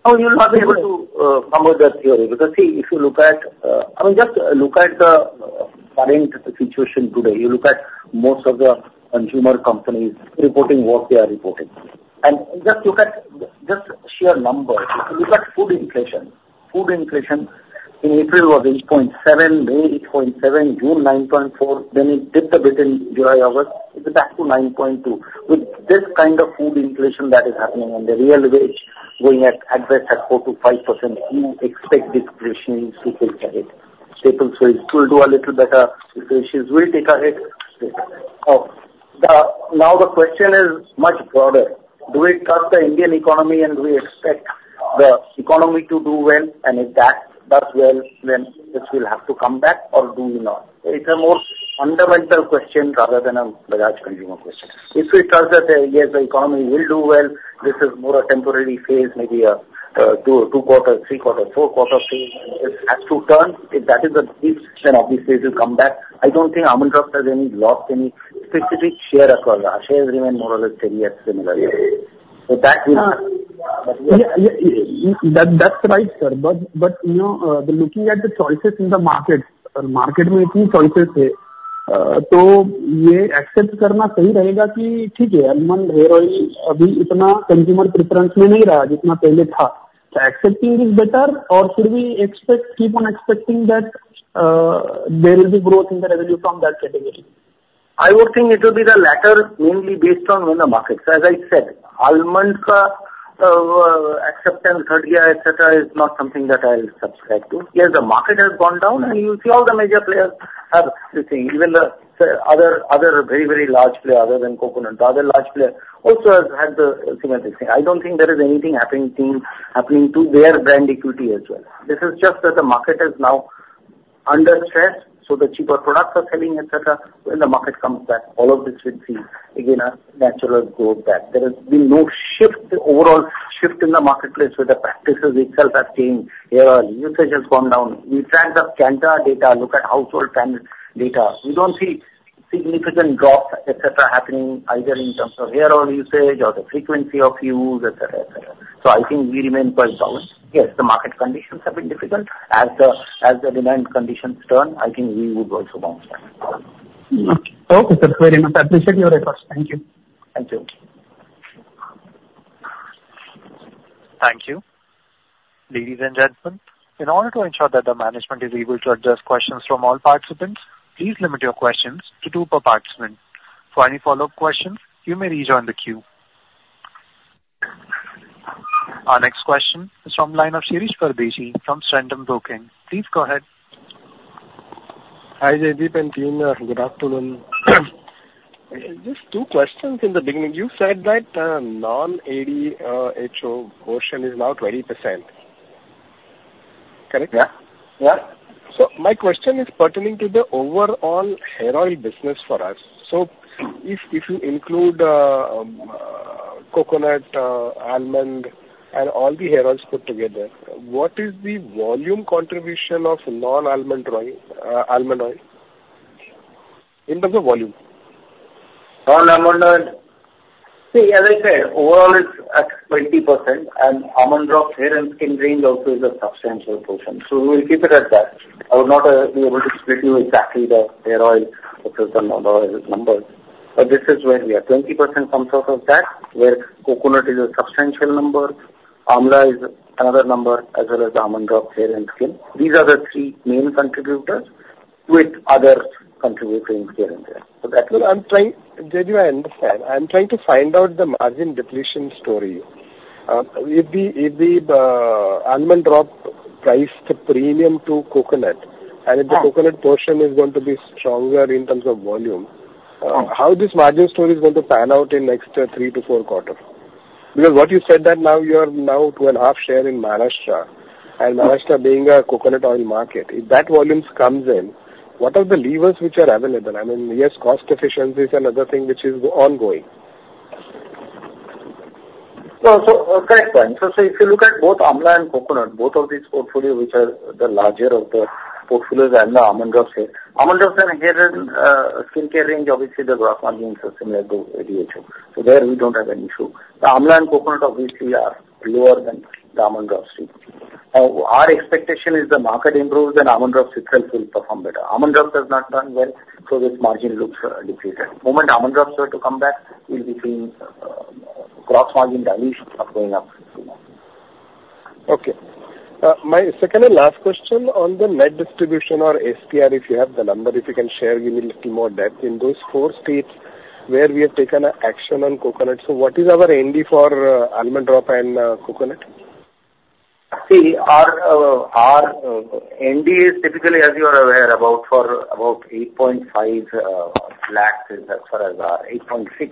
[SPEAKER 3] Oh, you're not able to come with that theory. Because see, if you look at, I mean, just look at the current situation today. You look at most of the consumer companies reporting what they are reporting. And just look at just sheer numbers. If you look at food inflation, food inflation in April was 8.7%, May 8.7%, June 9.4%, then it dipped a bit in July, August, it went back to 9.2%. With this kind of food inflation that is happening and the real wage going at best at 4%-5%, you expect this situation to take a hit.
[SPEAKER 6] Staples will do a little better. If the issues will take a hit, now the question is much broader. Do we trust the Indian economy and we expect the economy to do well?
[SPEAKER 3] And if that does well, then this will have to come back, or do we not? It's a more fundamental question rather than a large consumer question. If we trust that, yes, the economy will do well, this is more a temporary phase, maybe a two-quarter, three-quarter, four-quarter phase, and this has to turn. If that is the case, then obviously it will come back. I don't think almond has lost any specific share as well. Our share has remained more or less steady at similar levels. So that will not. But yeah.
[SPEAKER 6] That's right, sir. But looking at the choices in the market, market-making choices, तो ये accept करना सही रहेगा कि ठीक है, almond, hair oil अभी इतना consumer preference में नहीं रहा जितना पहले था। Accepting is better, or should we keep on expecting that there will be growth in the revenue from that category?
[SPEAKER 3] I would think it will be the latter, mainly based on when the market. So as I said, Almond's acceptance hurt here, etc., is not something that I'll subscribe to. Yes, the market has gone down, and you see all the major players have this thing. Even the other very, very large players, other than coconut, other large players also have had the same thing. I don't think there is anything happening to their brand equity as well. This is just that the market is now under stress, so the cheaper products are selling, etc. When the market comes back, all of this will see again a natural growth back. There has been no shift, overall shift in the marketplace where the practices itself have changed. Hair oil usage has gone down. We track the Kantar data, look at household data. We don't see significant drops, etc., happening either in terms of hair oil usage or the frequency of use, etc., etc. So I think we remain quite down. Yes, the market conditions have been difficult. As the demand conditions turn, I think we would also bounce back.
[SPEAKER 6] Okay. Thank you very much. I appreciate your request. Thank you.
[SPEAKER 3] Thank you.
[SPEAKER 1] Thank you. Ladies and gentlemen, in order to ensure that the management is able to address questions from all participants, please limit your questions to two per participant. For any follow-up questions, you may rejoin the queue. Our next question is from the line of Shirish Pardeshi, from Centrum Broking. Please go ahead.
[SPEAKER 7] Hi Jaideep and team, good afternoon. Just two questions in the beginning. You said that non-ADHO portion is now 20%. Correct? Yeah. Yeah. So my question is pertaining to the overall hair oil business for us. So if you include coconut, almond, and all the hair oils put together, what is the volume contribution of non-almond oil in terms of volume? Non-almond oil?
[SPEAKER 3] See, as I said, overall it's at 20%, and Almond Drops Hair and Skin range also is a substantial portion. So we'll keep it at that. I will not be able to split you exactly the hair oil versus the almond oil numbers. But this is where we are. 20% comes out of that, where coconut is a substantial number, almond is another number, as well as Almond Drops Hair and Skin. These are the three main contributors with other contributors here and there. So that will. I'm trying, Jaideep, I understand. I'm trying to find out the margin depletion story. If the Almond Drops price premium to coconut, and if the coconut portion is going to be stronger in terms of volume, how this margin story is going to pan out in the next three to four quarters? Because what you said that now you are now two and a half share in Maharashtra, and Maharashtra being a coconut oil market. If that volume comes in, what are the levers which are available? I mean, yes, cost efficiency is another thing which is ongoing. So correct point. So if you look at both almond and coconut, both of these portfolios which are the larger of the portfolios and the Almond Drops here, Almond Drops and hair and skincare range, obviously the gross margins are similar to ADHO. So there we don't have any issue. The almond and coconut obviously are lower than the Almond Drops too. Our expectation is the market improves, then Almond Drops itself will perform better. Almond Drops have not done well, so this margin looks depleted. The moment Almond Drops were to come back, we'll be seeing gross margin dilution going up.
[SPEAKER 7] Okay. My second and last question on the net distribution or STR, if you have the number, if you can share, give me a little more depth in those four states where we have taken action on coconut. So what is our ND for Almond Drops and coconut? See, our ND is typically, as you are aware about, for about 8.5 lakhs as far as our 8.6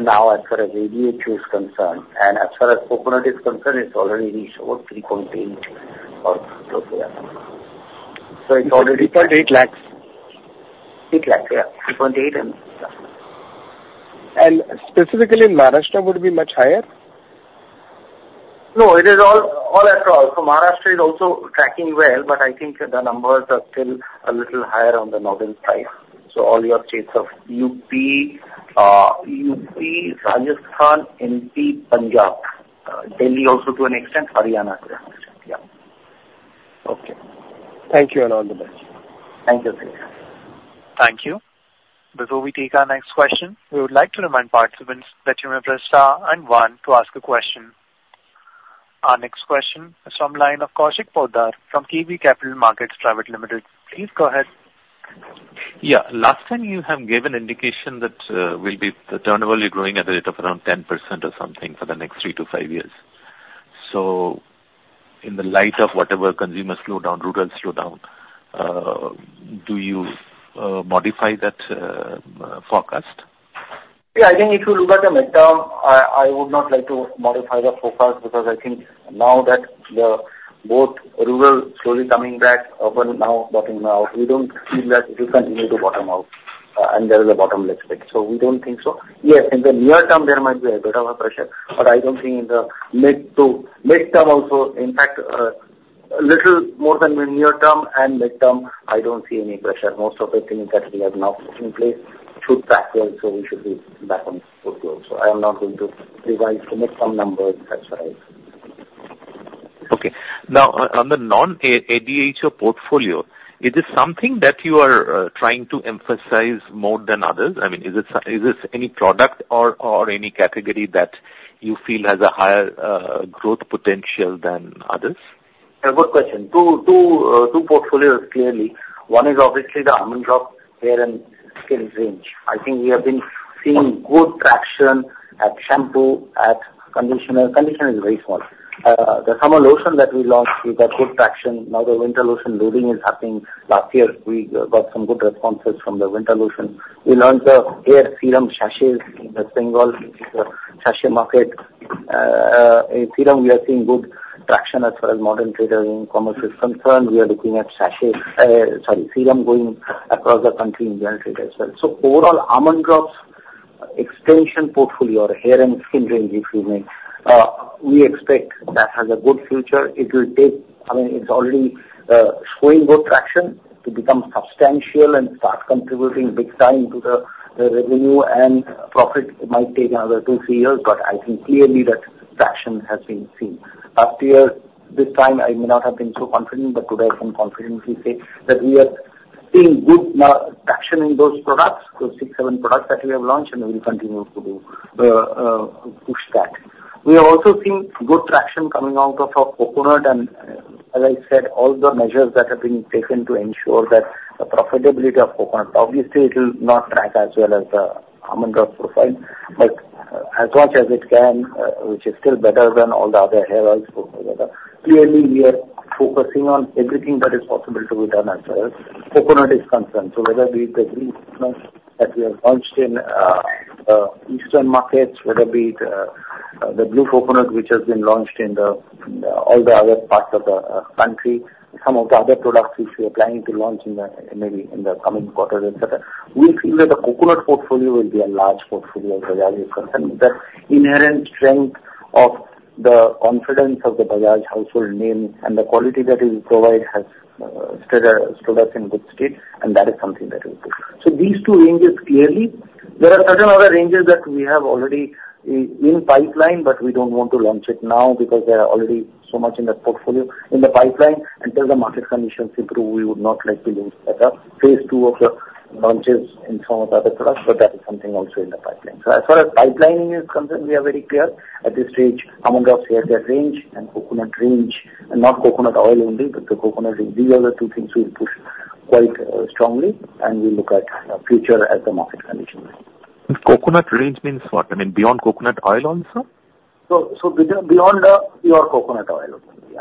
[SPEAKER 7] now as far as ADHO is concerned. And as far as coconut is concerned, it's already reached about 3.8 or close to that. So it's already 3.8 lakhs. 8 lakhs, yeah. 3.8 and. And specifically in Maharashtra, would it be much higher?
[SPEAKER 3] No, it is all across. So Maharashtra is also tracking well, but I think the numbers are still a little higher on the northern side. So all your states of UP, UP, Rajasthan, MP, Punjab, Delhi also to an extent, Haryana to an extent.
[SPEAKER 7] Yeah. Okay.
[SPEAKER 1] Thank you and all the best. Thank you. Thank you. Before we take our next question, we would like to remind participants that you may press star and one to ask a question. Our next question is from the line of Kaushik Poddar from KB Capital Markets. Please go ahead.
[SPEAKER 8] Yeah. Last time you have given indication that will be the turnover will be growing at a rate of around 10% or something for the next three to five years. So in the light of whatever consumer slowdown, rural slowdown, do you modify that forecast? Yeah.
[SPEAKER 3] I think if you look at the mid-term, I would not like to modify the forecast because I think now that both rural slowly coming back, urban now bottoming out, we don't feel that it will continue to bottom out and there is a bottomless pit. So we don't think so. Yes, in the near term, there might be a bit of a pressure, but I don't think in the mid-term also. In fact, a little more than mid-term and mid-term, I don't see any pressure. Most of the things that we have now put in place should backward, so we should be back on full growth. So I am not going to revise the mid-term numbers as far as. Okay. Now, on the non-ADHO portfolio, is it something that you are trying to emphasize more than others?
[SPEAKER 8] I mean, is this any product or any category that you feel has a higher growth potential than others?
[SPEAKER 3] Good question. Two portfolios clearly. One is obviously the Almond Drops hair and skin range. I think we have been seeing good traction at shampoo, at conditioner. Conditioner is very small. The summer lotion that we launched with a good traction. Now the winter lotion loading is happening. Last year, we got some good responses from the winter lotion. We launched the hair serum sachets in the Bengal sachet market. In serum, we are seeing good traction as far as modern trade, e-commerce is concerned. We are looking at sachets, sorry, serum going across the country in general trade as well. So overall, Almond Drops extension portfolio or hair and skin range, if you may, we expect that has a good future. It will take, I mean, it's already showing good traction to become substantial and start contributing big time to the revenue and profit. It might take another two, three years, but I think clearly that traction has been seen. Last year, this time, I may not have been so confident, but today I can confidently say that we are seeing good traction in those products, those six, seven products that we have launched, and we will continue to push that. We are also seeing good traction coming out of coconut and, as I said, all the measures that have been taken to ensure that the profitability of coconut, obviously, it will not track as well as the Almond Drops profile, but as much as it can, which is still better than all the other hair oils. Clearly, we are focusing on everything that is possible to be done as far as coconut is concerned. So whether be the green coconut that we have launched in the eastern markets, whether be the blue coconut which has been launched in all the other parts of the country, some of the other products which we are planning to launch maybe in the coming quarters, etc., we feel that the coconut portfolio will be a large portfolio for Bajaj is concerned. The inherent strength of the confidence of the Bajaj household name and the quality that it will provide has stood us in good state, and that is something that we will do. So these two ranges clearly. There are certain other ranges that we have already in pipeline, but we don't want to launch it now because there are already so much in the portfolio in the pipeline. Until the market conditions improve, we would not like to launch at the phase two of the launches in some of the other products, but that is something also in the pipeline. So as far as pipelining is concerned, we are very clear at this stage, Almond Drops hair care range and coconut range, and not coconut oil only, but the coconut range. These are the two things we will push quite strongly, and we'll look at future as the market conditions.
[SPEAKER 8] Coconut range means what? I mean, beyond coconut oil also?
[SPEAKER 3] So beyond pure coconut oil, yeah.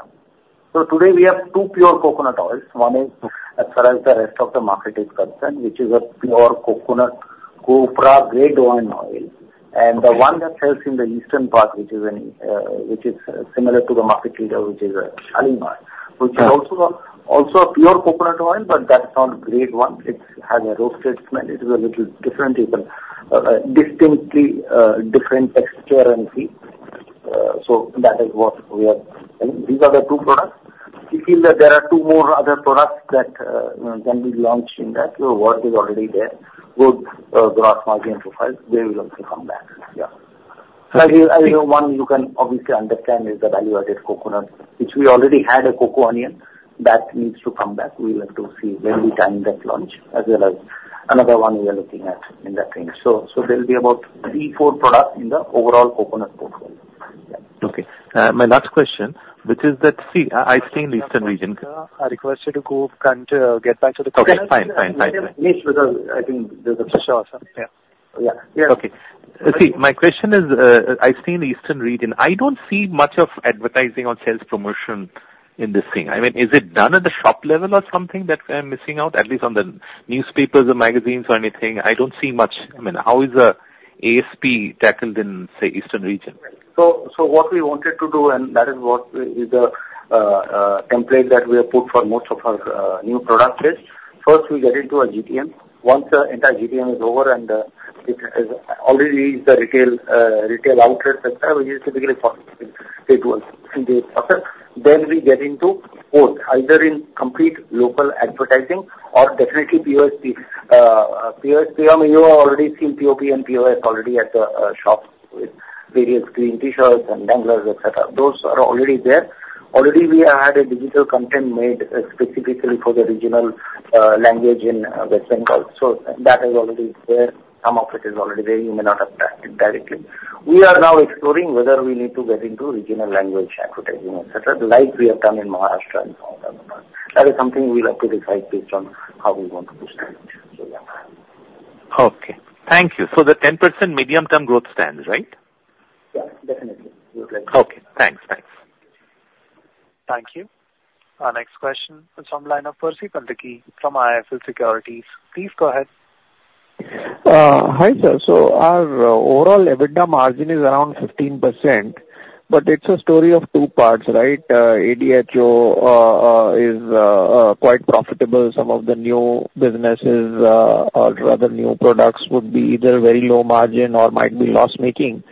[SPEAKER 3] So today we have two pure coconut oils. One is, as far as the rest of the market is concerned, which is a pure coconut copra grade one oil. And the one that sells in the eastern part, which is similar to the market leader, which is a Shalimar oil, which is also a pure coconut oil, but that's not grade one. It has a roasted smell. It is a little different. It will distinctly have a different texture and feel. So that is what we are doing. These are the two products. We feel that there are two more other products that can be launched in that. The world is already there. Good gross margin profiles. They will also come back. Yeah. So I think one you can obviously understand is the value-added coconut, which we already had a Coco Onion that needs to come back. We will have to see when we can get launched, as well as another one we are looking at in that range. So there will be about three, four products in the overall coconut portfolio.
[SPEAKER 8] Yeah. Okay. My last question, which is that, see, I stay in the eastern region. Okay. Fine. Fine. Fine. Yes, because I think there's a pressure also. Yeah. Yeah. Yeah. Okay. See, my question is, I stay in the eastern region. I don't see much of advertising or sales promotion in this thing. I mean, is it done at the shop level or something that I'm missing out? At least on the newspapers or magazines or anything, I don't see much. I mean, how is ASP tackled in, say, eastern region?
[SPEAKER 3] So what we wanted to do, and that is what is the template that we have put for most of our new product list. First, we get into a GTM. Once the entire GTM is over and it already is the retail outlets, etc., which is typically for stage one. Then we get into both, either in complete local advertising or definitely POSM. POSM, you have already seen POP and POS already at the shops with various green T-shirts and danglers, etc. Those are already there. Already, we have had a digital content made specifically for the regional language in West Bengal. So that is already there. Some of it is already there. You may not have tracked it directly. We are now exploring whether we need to get into regional language advertising, etc., like we have done in Maharashtra and some of the others. That is something we'll have to decide based on how we want to push that. So yeah.
[SPEAKER 8] Okay. Thank you. So the 10% medium-term growth stands, right? Yeah. Definitely. Good. Okay. Thanks. Thanks. Thank you.
[SPEAKER 1] Our next question is from the line of Percy Panthaki from IIFL Securities. Please go ahead.
[SPEAKER 9] Hi sir. So our overall EBITDA margin is around 15%, but it's a story of two parts, right? ADHO is quite profitable. Some of the new businesses or rather new products would be either very low margin or might be loss-making.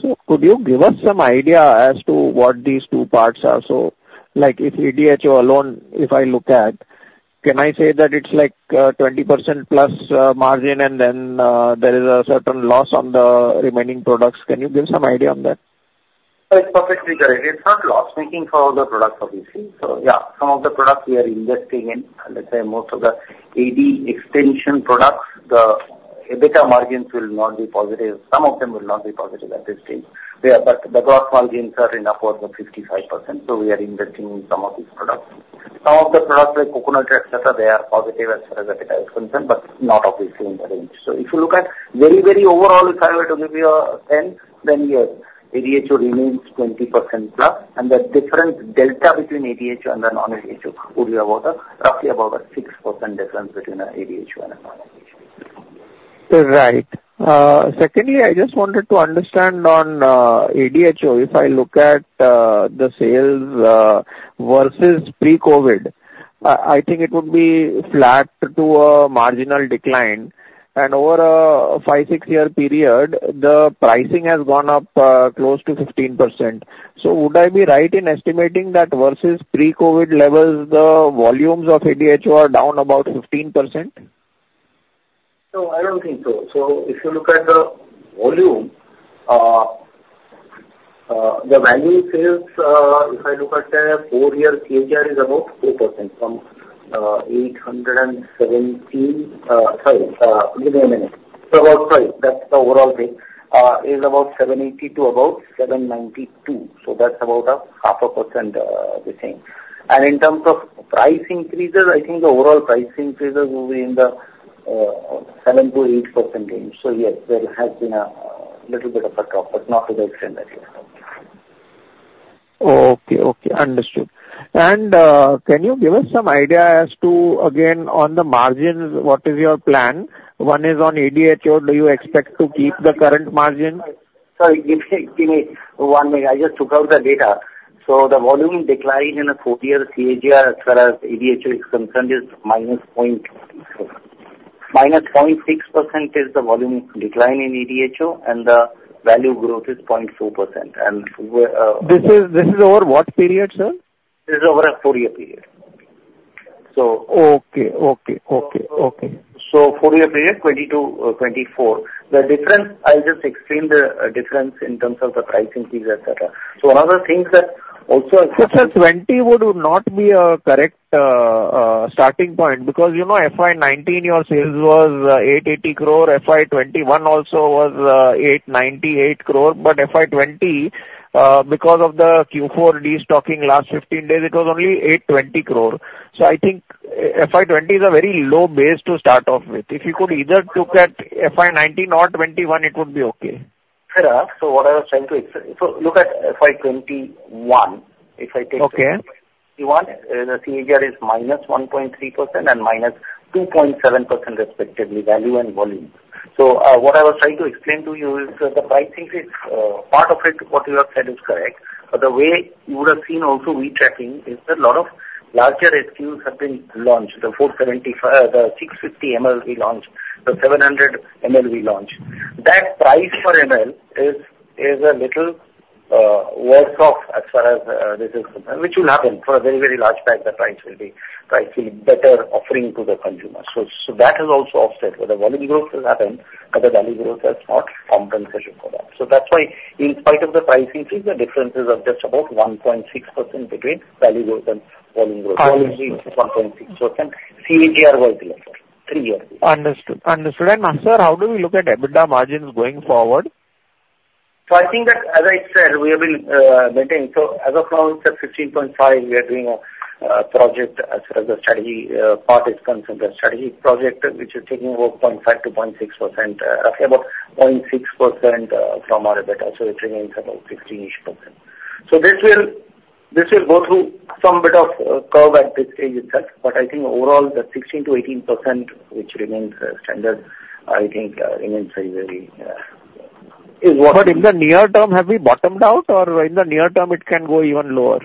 [SPEAKER 9] So could you give us some idea as to what these two parts are? So if ADHO alone, if I look at, can I say that it's like 20% plus margin and then there is a certain loss on the remaining products? Can you give some idea on that?
[SPEAKER 3] It's perfectly correct. It's not loss-making for all the products, obviously. So yeah, some of the products we are investing in, let's say most of the AD extension products, the EBITDA margins will not be positive. Some of them will not be positive at this stage. But the gross margins are enough for the 55%. So we are investing in some of these products. Some of the products like coconut, etc., they are positive as far as EBITDA is concerned, but not obviously in the range. So if you look at very, very overall, if I were to give you a 10, then yes, ADHO remains 20% plus. And the different delta between ADHO and the non-ADHO would be about roughly about a 6% difference between ADHO and non-ADHO. Right. Secondly, I just wanted to understand on ADHO, if I look at the sales versus pre-COVID, I think it would be flat to a marginal decline. And over a five, six-year period, the pricing has gone up close to 15%. So would I be right in estimating that versus pre-COVID levels, the volumes of ADHO are down about 15%? No, I don't think so. So if you look at the volume, the value sales, if I look at four-year CAGR is about 4% from 817. Sorry, give me a minute. So about, sorry, that's the overall thing, is about 780 to about 792. So that's about a 0.5% decline. And in terms of price increases, I think the overall price increases will be in the 7%-8% range. So yes, there has been a little bit of a drop, but not to the extent that you have. Okay.
[SPEAKER 9] Okay. Understood. And can you give us some idea as to, again, on the margin, what is your plan? One is on ADHO. Do you expect to keep the current margin? Sorry, give me one minute. I just took out the data. The volume decline in a four-year CAGR as far as ADHO is concerned is minus 0.6%. This is the volume decline in ADHO, and the value growth is 0.4%. This is over what period, sir? This is over a four-year period. Okay. Okay. Okay. Okay. Four-year period, 2022, 2024. The difference, I'll just explain the difference in terms of the price increase, etc. 20 would not be a correct starting point because FY19, your sales was 880 crore. FY21 also was 898 crore. But FY20, because of the Q4 de-stocking last 15 days, it was only 820 crore. I think FY20 is a very low base to start off with. If you could either look at FY19 or 21, it would be okay. What I was trying to explain: look at FY21. If I take FY21, the CAGR is minus 1.3% and minus 2.7% respectively, value and volume. What I was trying to explain to you is the price increase. Part of it, what you have said is correct. But the way you would have seen also we tracking is a lot of larger SKUs have been launched. The 650 ml we launched, the 700 ml we launched. That price per ml is a little worse off as far as this is concerned, which will happen for a very, very large bag. The price will be better offering to the consumer. So that has also offset. The volume growth has happened, but the value growth has not. Compensation for that. So that's why, in spite of the price increase, the difference is just about 1.6% between value growth and volume growth. Volume growth is 1.6%. CAGR was lesser, three years ago. Understood. Understood. And sir, how do we look at EBITDA margins going forward?
[SPEAKER 3] So I think that, as I said, we have been maintaining. So as of now, it's at 15.5%. We are doing a project as far as the strategy part is concerned. The strategy project, which is taking about 0.5%-0.6%, roughly about 0.6% from our EBITDA. So it remains about 15-ish%. So this will go through some bit of curve at this stage itself. But I think overall, the 16%-18%, which remains standard, I think remains very, very is what.
[SPEAKER 9] But in the near term, have we bottomed out, or in the near term, it can go even lower?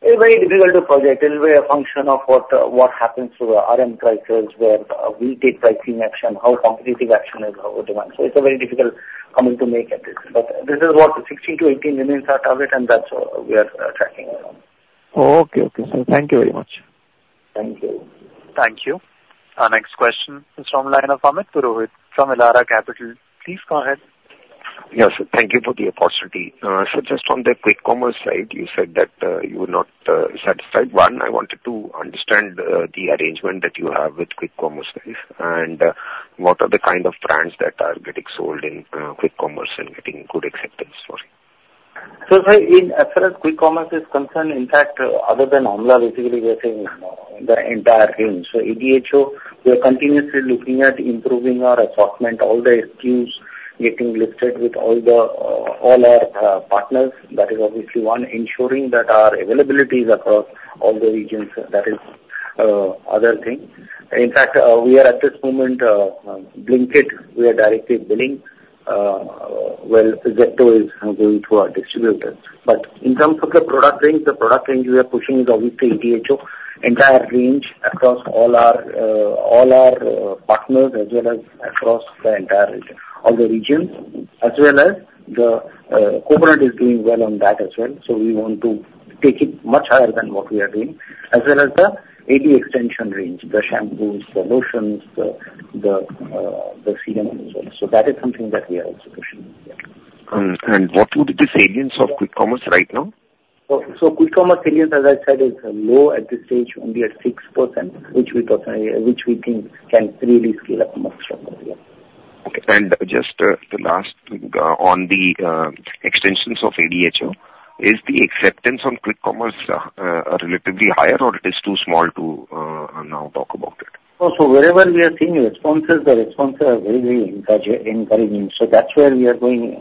[SPEAKER 3] It's very difficult to project. It will be a function of what happens to the RM crisis where we take pricing action, how competitive action is, how demand. So it's a very difficult commitment to make at this. But this is what 16 to 18 remains our target, and that's what we are tracking.
[SPEAKER 9] Okay. Okay. Sir, thank you very much.
[SPEAKER 3] Thank you.
[SPEAKER 1] Thank you. Our next question is from the line of Amit Purohit from Elara Capital. Please go ahead.
[SPEAKER 10] Yes, sir. Thank you for the opportunity. Sir, just on the quick commerce side, you said that you were not satisfied. One, I wanted to understand the arrangement that you have with quick commerce and what are the kind of brands that are getting sold in quick commerce and getting good acceptance for it.
[SPEAKER 3] So, as far as quick commerce is concerned, in fact, other than Almond, basically, we are saying the entire range. So ADHO, we are continuously looking at improving our assortment, all the SKUs getting listed with all our partners. That is obviously one. Ensuring that our availability is across all the regions, that is other things. In fact, we are at this moment linked. We are directly billing while Zepto is going to our distributors. But in terms of the product range, the product range we are pushing is obviously ADHO, entire range across all our partners as well as across the entire region, as well as the coconut is doing well on that as well. So we want to take it much higher than what we are doing, as well as the AD extension range, the shampoos, the lotions, the CMM as well. So that is something that we are also pushing.
[SPEAKER 10] And what would be the salience of quick commerce right now?
[SPEAKER 3] So quick commerce salience, as I said, is low at this stage, only at 6%, which we think can really scale up much stronger.
[SPEAKER 10] Okay. And just the last thing on the extensions of ADHO, is the acceptance on quick commerce relatively higher, or it is too small to now talk about it?
[SPEAKER 3] So wherever we are seeing responses, the responses are very, very encouraging. So that's where we are going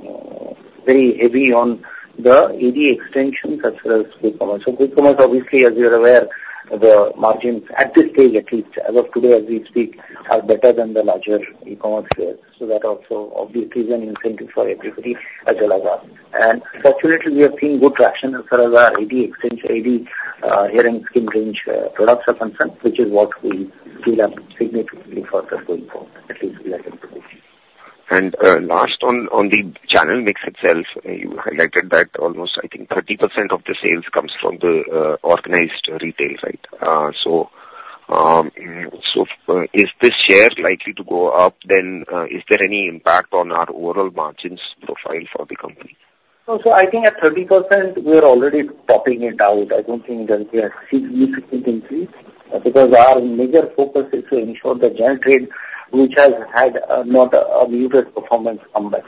[SPEAKER 3] very heavy on the AD extensions as well as quick commerce. So quick commerce, obviously, as you're aware, the margins at this stage, at least as of today, as we speak, are better than the larger e-commerce players. So that also obviously is an incentive for everybody as well as us. Fortunately, we have seen good traction as far as our AD extension, AD hair and skin range products are concerned, which is what we will have significantly further going forward, at least we are looking to see.
[SPEAKER 9] Last on the channel mix itself, you highlighted that almost, I think, 30% of the sales comes from the organized retail, right? Is this share likely to go up? Is there any impact on our overall margins profile for the company?
[SPEAKER 3] I think at 30%, we are already topping it out. I don't think we are seeing any significant increase because our major focus is to ensure the general trade, which has had not a very good performance comeback.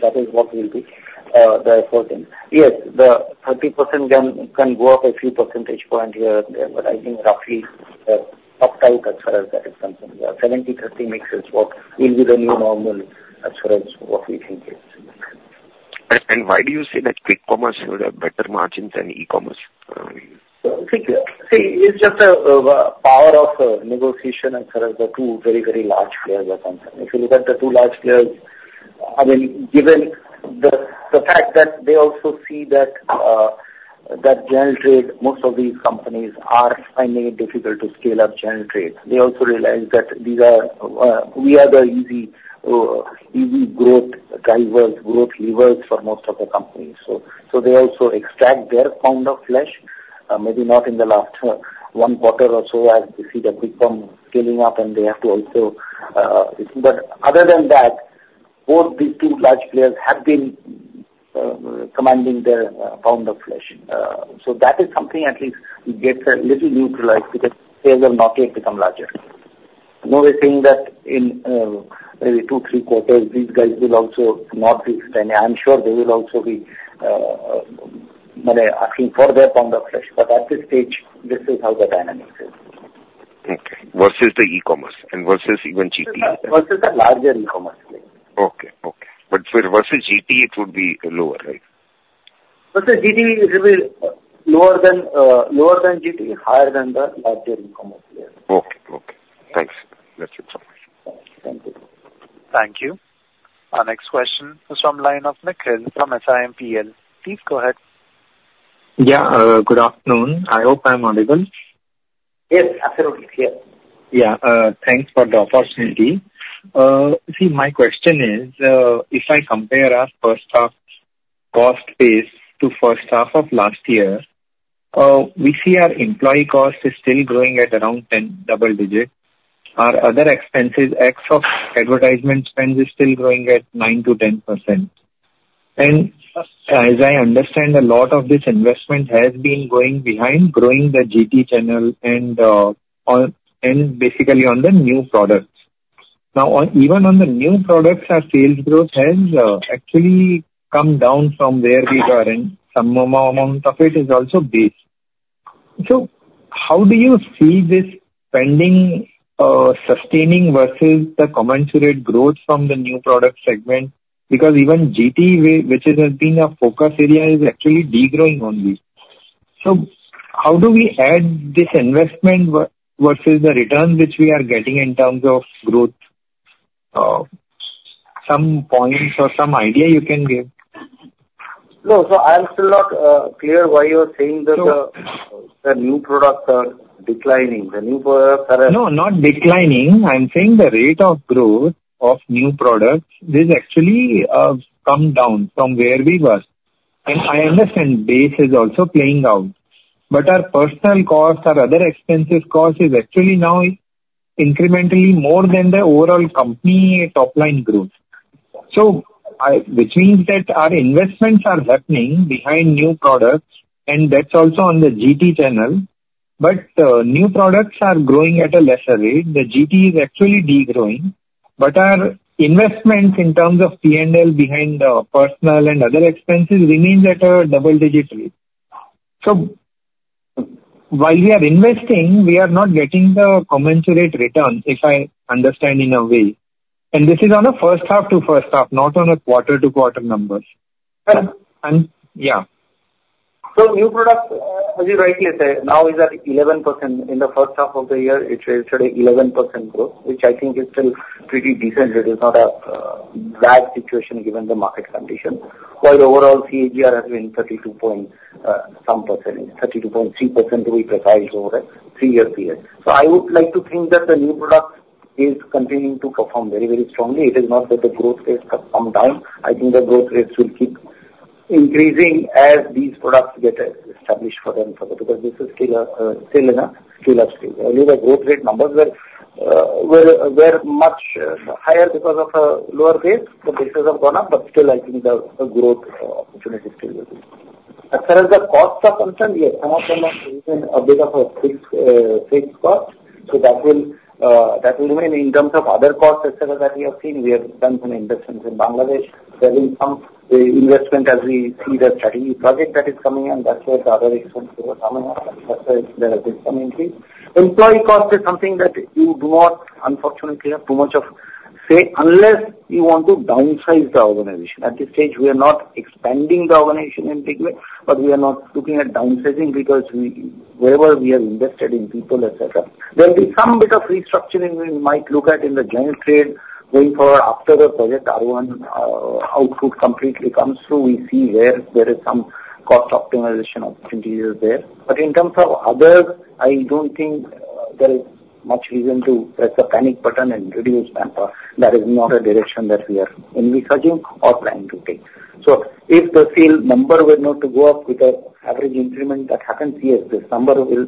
[SPEAKER 3] That is what will be the effort. Yes, the 30% can go up a few percentage points here and there, but I think roughly topped out as far as that is concerned. 70-30 mix is what will be the new normal as far as what we think i.
[SPEAKER 10] And why do you say that quick commerce would have better margins than e-commerce?
[SPEAKER 9] See, it's just a power of negotiation as far as the two very, very large players are concerned. If you look at the two large players, I mean, given the fact that they also see that general trade, most of these companies are finding it difficult to scale up general trade. They also realize that we are the easy growth drivers, growth levers for most of the companies. So they also extract their pound of flesh, maybe not in the last one quarter or so as we see the quick commerce scaling up, and they have to also think. But other than that, both these two large players have been commanding their pound of flesh. So that is something at least gets a little neutralized because sales will not yet become larger. Now we're seeing that in maybe two, three quarters, these guys will also not be standing. I'm sure they will also be asking for their pound of flesh. But at this stage, this is how the dynamic is. Okay. Versus the e-commerce and versus even GT? Versus the larger e-commerce players. Okay. Okay. But versus GT, it would be lower, right? Versus GT is a bit lower than GT, higher than the larger e-commerce players.
[SPEAKER 10] Okay. Okay. Thanks. That's it for me.
[SPEAKER 3] Thank you.
[SPEAKER 1] Thank you. Our next question is from Layan of McKinsey from Simpl. Please go ahead.
[SPEAKER 11] Yeah. Good afternoon. I hope I'm audible.
[SPEAKER 3] Yes. Absolutely. Yes.
[SPEAKER 11] Yeah. Thanks for the opportunity. See, my question is, if I compare our first half cost base to first half of last year, we see our employee cost is still growing at around 10 double digits. Our other expenses, ex of advertisement spend, is still growing at 9%-10%. And as I understand, a lot of this investment has been going behind growing the GT channel and basically on the new products. Now, even on the new products, our sales growth has actually come down from where we were, and some amount of it is also based. So how do you see this spending sustaining versus the commensurate growth from the new product segment?
[SPEAKER 3] Because even GT, which has been a focus area, is actually degrowing only.
[SPEAKER 11] So how do we add this investment versus the returns which we are getting in terms of growth? Some points or some idea you can give? No, so I'm still not clear why you're saying that the new products are declining. The new products are.
[SPEAKER 3] No, not declining. I'm saying the rate of growth of new products has actually come down from where we were. And I understand base is also playing out. But our personal cost, our other expensive cost is actually now incrementally more than the overall company top-line growth. So which means that our investments are happening behind new products, and that's also on the GT channel. But new products are growing at a lesser rate. The GT is actually degrowing, but our investments in terms of P&L behind personal and other expenses remain at a double-digit rate. So while we are investing, we are not getting the commensurate return, if I understand in a way. And this is on a first half to first half, not on a quarter-to-quarter numbers. Yeah. So new products, as you rightly say, now is at 11%. In the first half of the year, it's a 11% growth, which I think is still pretty decent. It is not a bad situation given the market condition. While overall, CAGR has been 32.3%, 32.3% we profiled over three years here. So I would like to think that the new products is continuing to perform very, very strongly. It is not that the growth rate has come down. I think the growth rates will keep increasing as these products get established for them because this is still in a scale up stage. Earlier, the growth rate numbers were much higher because of a lower base. The bases have gone up, but still, I think the growth opportunity still will be. As far as the costs are concerned, yes, some of them are a bit of a fixed cost. So that will remain in terms of other costs as far as we have seen. We have done some investments in Bangladesh, scaling some investments as we see the strategic project that is coming in. That's where the other expenses are coming up. As far as there have been some increase. Employee cost is something that you do not, unfortunately, have too much to say unless you want to downsize the organization. At this stage, we are not expanding the organization in a big way, but we are not looking at downsizing because wherever we have invested in people, etc. There will be some bit of restructuring we might look at in the general trade going forward after the Project Aarohan output completely comes through. We see where there is some cost optimization opportunities there. But in terms of others, I don't think there is much reason to press the panic button and reduce manpower. That is not a direction that we are in researching or planning to take. So if the sales number were not to go up with the average increment that happens, yes, this number will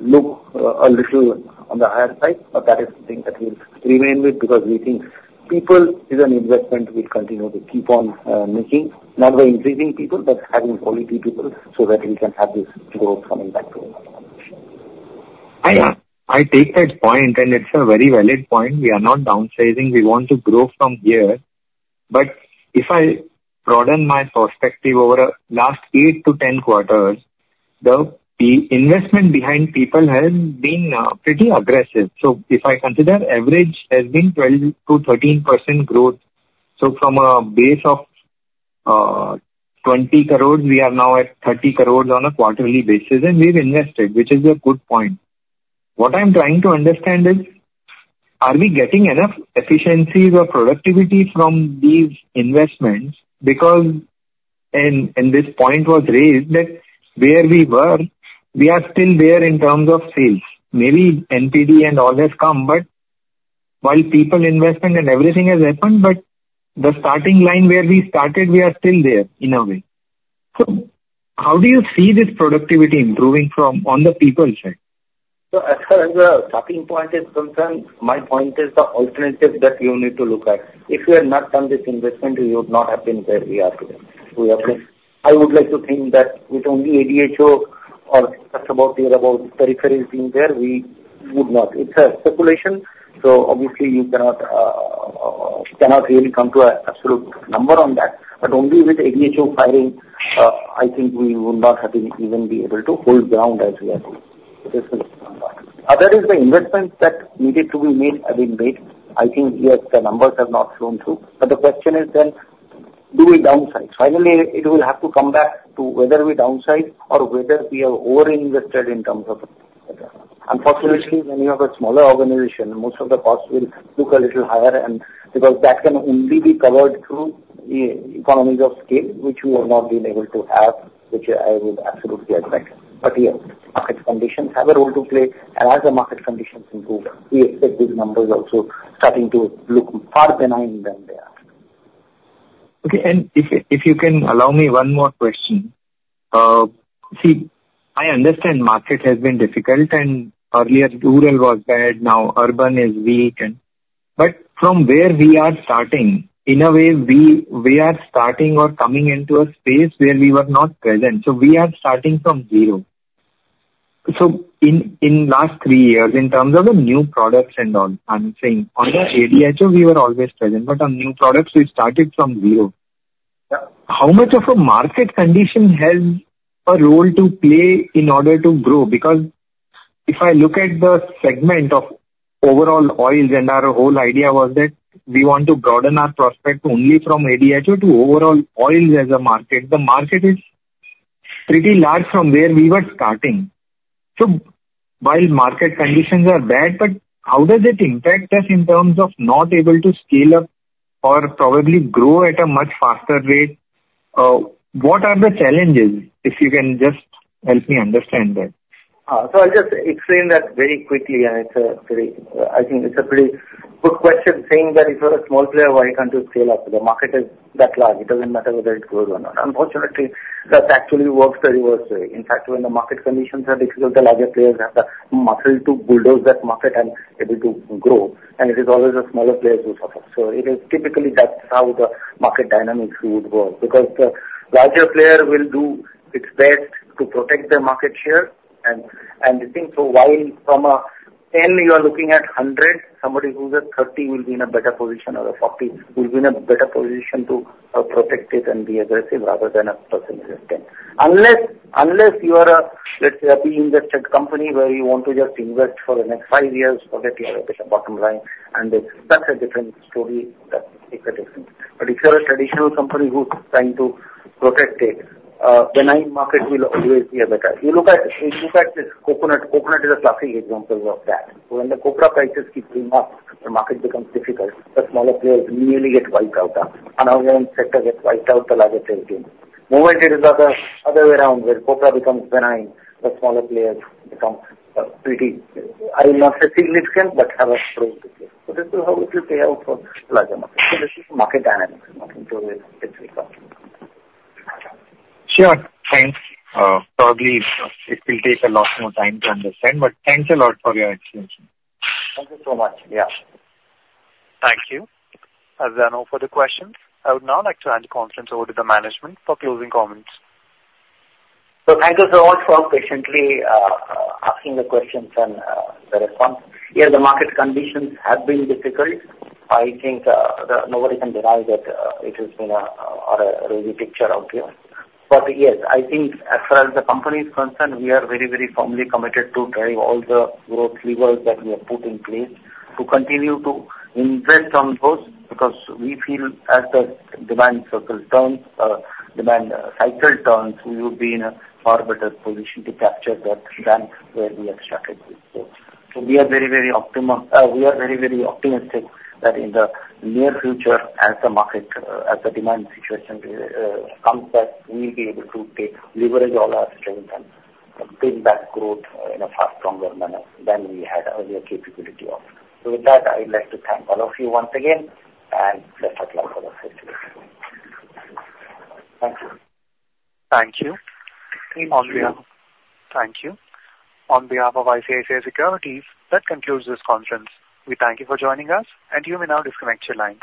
[SPEAKER 3] look a little on the higher side. That is something that we'll remain with because we think people is an investment we'll continue to keep on making, not by increasing people, but having quality people so that we can have this growth coming back to our organization. I take that point, and it's a very valid point. We are not downsizing. We want to grow from here. But if I broaden my perspective over the last 8-10 quarters, the investment behind people has been pretty aggressive. So if I consider average has been 12%-13% growth. So from a base of 20 crores, we are now at 30 crores on a quarterly basis, and we've invested, which is a good point.
[SPEAKER 11] What I'm trying to understand is, are we getting enough efficiencies or productivity from these investments? Because in this point was raised that where we were, we are still there in terms of sales. Maybe NPD and all has come, but while people investment and everything has happened, but the starting line where we started, we are still there in a way, so how do you see this productivity improving on the people side?
[SPEAKER 3] So as far as the starting point is concerned, my point is the alternative that we will need to look at. If we had not done this investment, we would not have been where we are today. I would like to think that with only ADHO or just about year-old periphery being there, we would not. It's a speculation. So obviously, you cannot really come to an absolute number on that, but only with ADHO firing, I think we will not even be able to hold ground as we are doing. Other is the investment that needed to be made, have been made. I think, yes, the numbers have not flown through. But the question is then, do we downsize? Finally, it will have to come back to whether we downsize or whether we are over-invested in terms of. Unfortunately, when you have a smaller organization, most of the costs will look a little higher because that can only be covered through economies of scale, which we have not been able to have, which I would absolutely admit. But yes, market conditions have a role to play. And as the market conditions improve, we expect these numbers also starting to look far benign than they are.
[SPEAKER 10] Okay. And if you can allow me one more question. See, I understand market has been difficult, and earlier rural was bad. Now urban is weak. But from where we are starting, in a way, we are starting or coming into a space where we were not present, so we are starting from zero, so in the last three years, in terms of the new products and all, I'm saying on the ADHO, we were always present, but on new products, we started from zero. How much of a market condition has a role to play in order to grow? Because if I look at the segment of overall oils, and our whole idea was that we want to broaden our prospect only from ADHO to overall oils as a market, the market is pretty large from where we were starting, so while market conditions are bad, but how does it impact us in terms of not able to scale up or probably grow at a much faster rate? What are the challenges?
[SPEAKER 3] If you can just help me understand that. So I'll just explain that very quickly. And I think it's a pretty good question saying that if you're a small player, why can't you scale up? The market is that large. It doesn't matter whether it grows or not. Unfortunately, that actually works the reverse way. In fact, when the market conditions are difficult, the larger players have the muscle to bulldoze that market and be able to grow. And it is always a smaller player who suffers. So it is typically that's how the market dynamics would work because the larger player will do its best to protect their market share. And I think so while from a 10, you are looking at 100, somebody who's at 30 will be in a better position or a 40 will be in a better position to protect it and be aggressive rather than a person who's 10. Unless you are a, let's say, a B-indexed company where you want to just invest for the next five years, forget your bottom line. And that's a different story. That's a different thing. But if you're a traditional company who's trying to protect it, the benign market will always be better. You look at this coconut. Coconut is a classic example of that. When the copra prices keep going up, the market becomes difficult. The smaller players nearly get wiped out. The unorganized sector gets wiped out. The larger players do. Mobile series are the other way around where copra becomes benign. The smaller players become pretty. I will not say significant, but have a growth. So this is how it will play out for larger markets. So this is market dynamics to where it will come.
[SPEAKER 11] Sure. Thanks. Probably it will take a lot more time to understand, but thanks a lot for your explanation.
[SPEAKER 3] Thank you so much. Yeah.
[SPEAKER 1] Thank you. As I know for the questions, I would now like to hand the conference over to the management for closing comments.
[SPEAKER 3] So thank you so much for patiently asking the questions and the responses. Yes, the market conditions have been difficult. I think nobody can deny that it has been a rosy picture out here. But yes, I think as far as the company is concerned, we are very, very firmly committed to drive all the growth levers that we have put in place to continue to invest on those because we feel as the demand cycle turns, we will be in a far better position to capture that demand where we have started. So we are very, very optimistic that in the near future, as the demand situation comes back, we'll be able to leverage all our strength and bring back growth in a far stronger manner than we had earlier capability of. So with that, I'd like to thank all of you once again, and let's talk about the rest of the day. Thank you. Thank you. Thank you. On behalf of ICICI Securities, that concludes this conference. We thank you for joining us, and you may now disconnect your lines.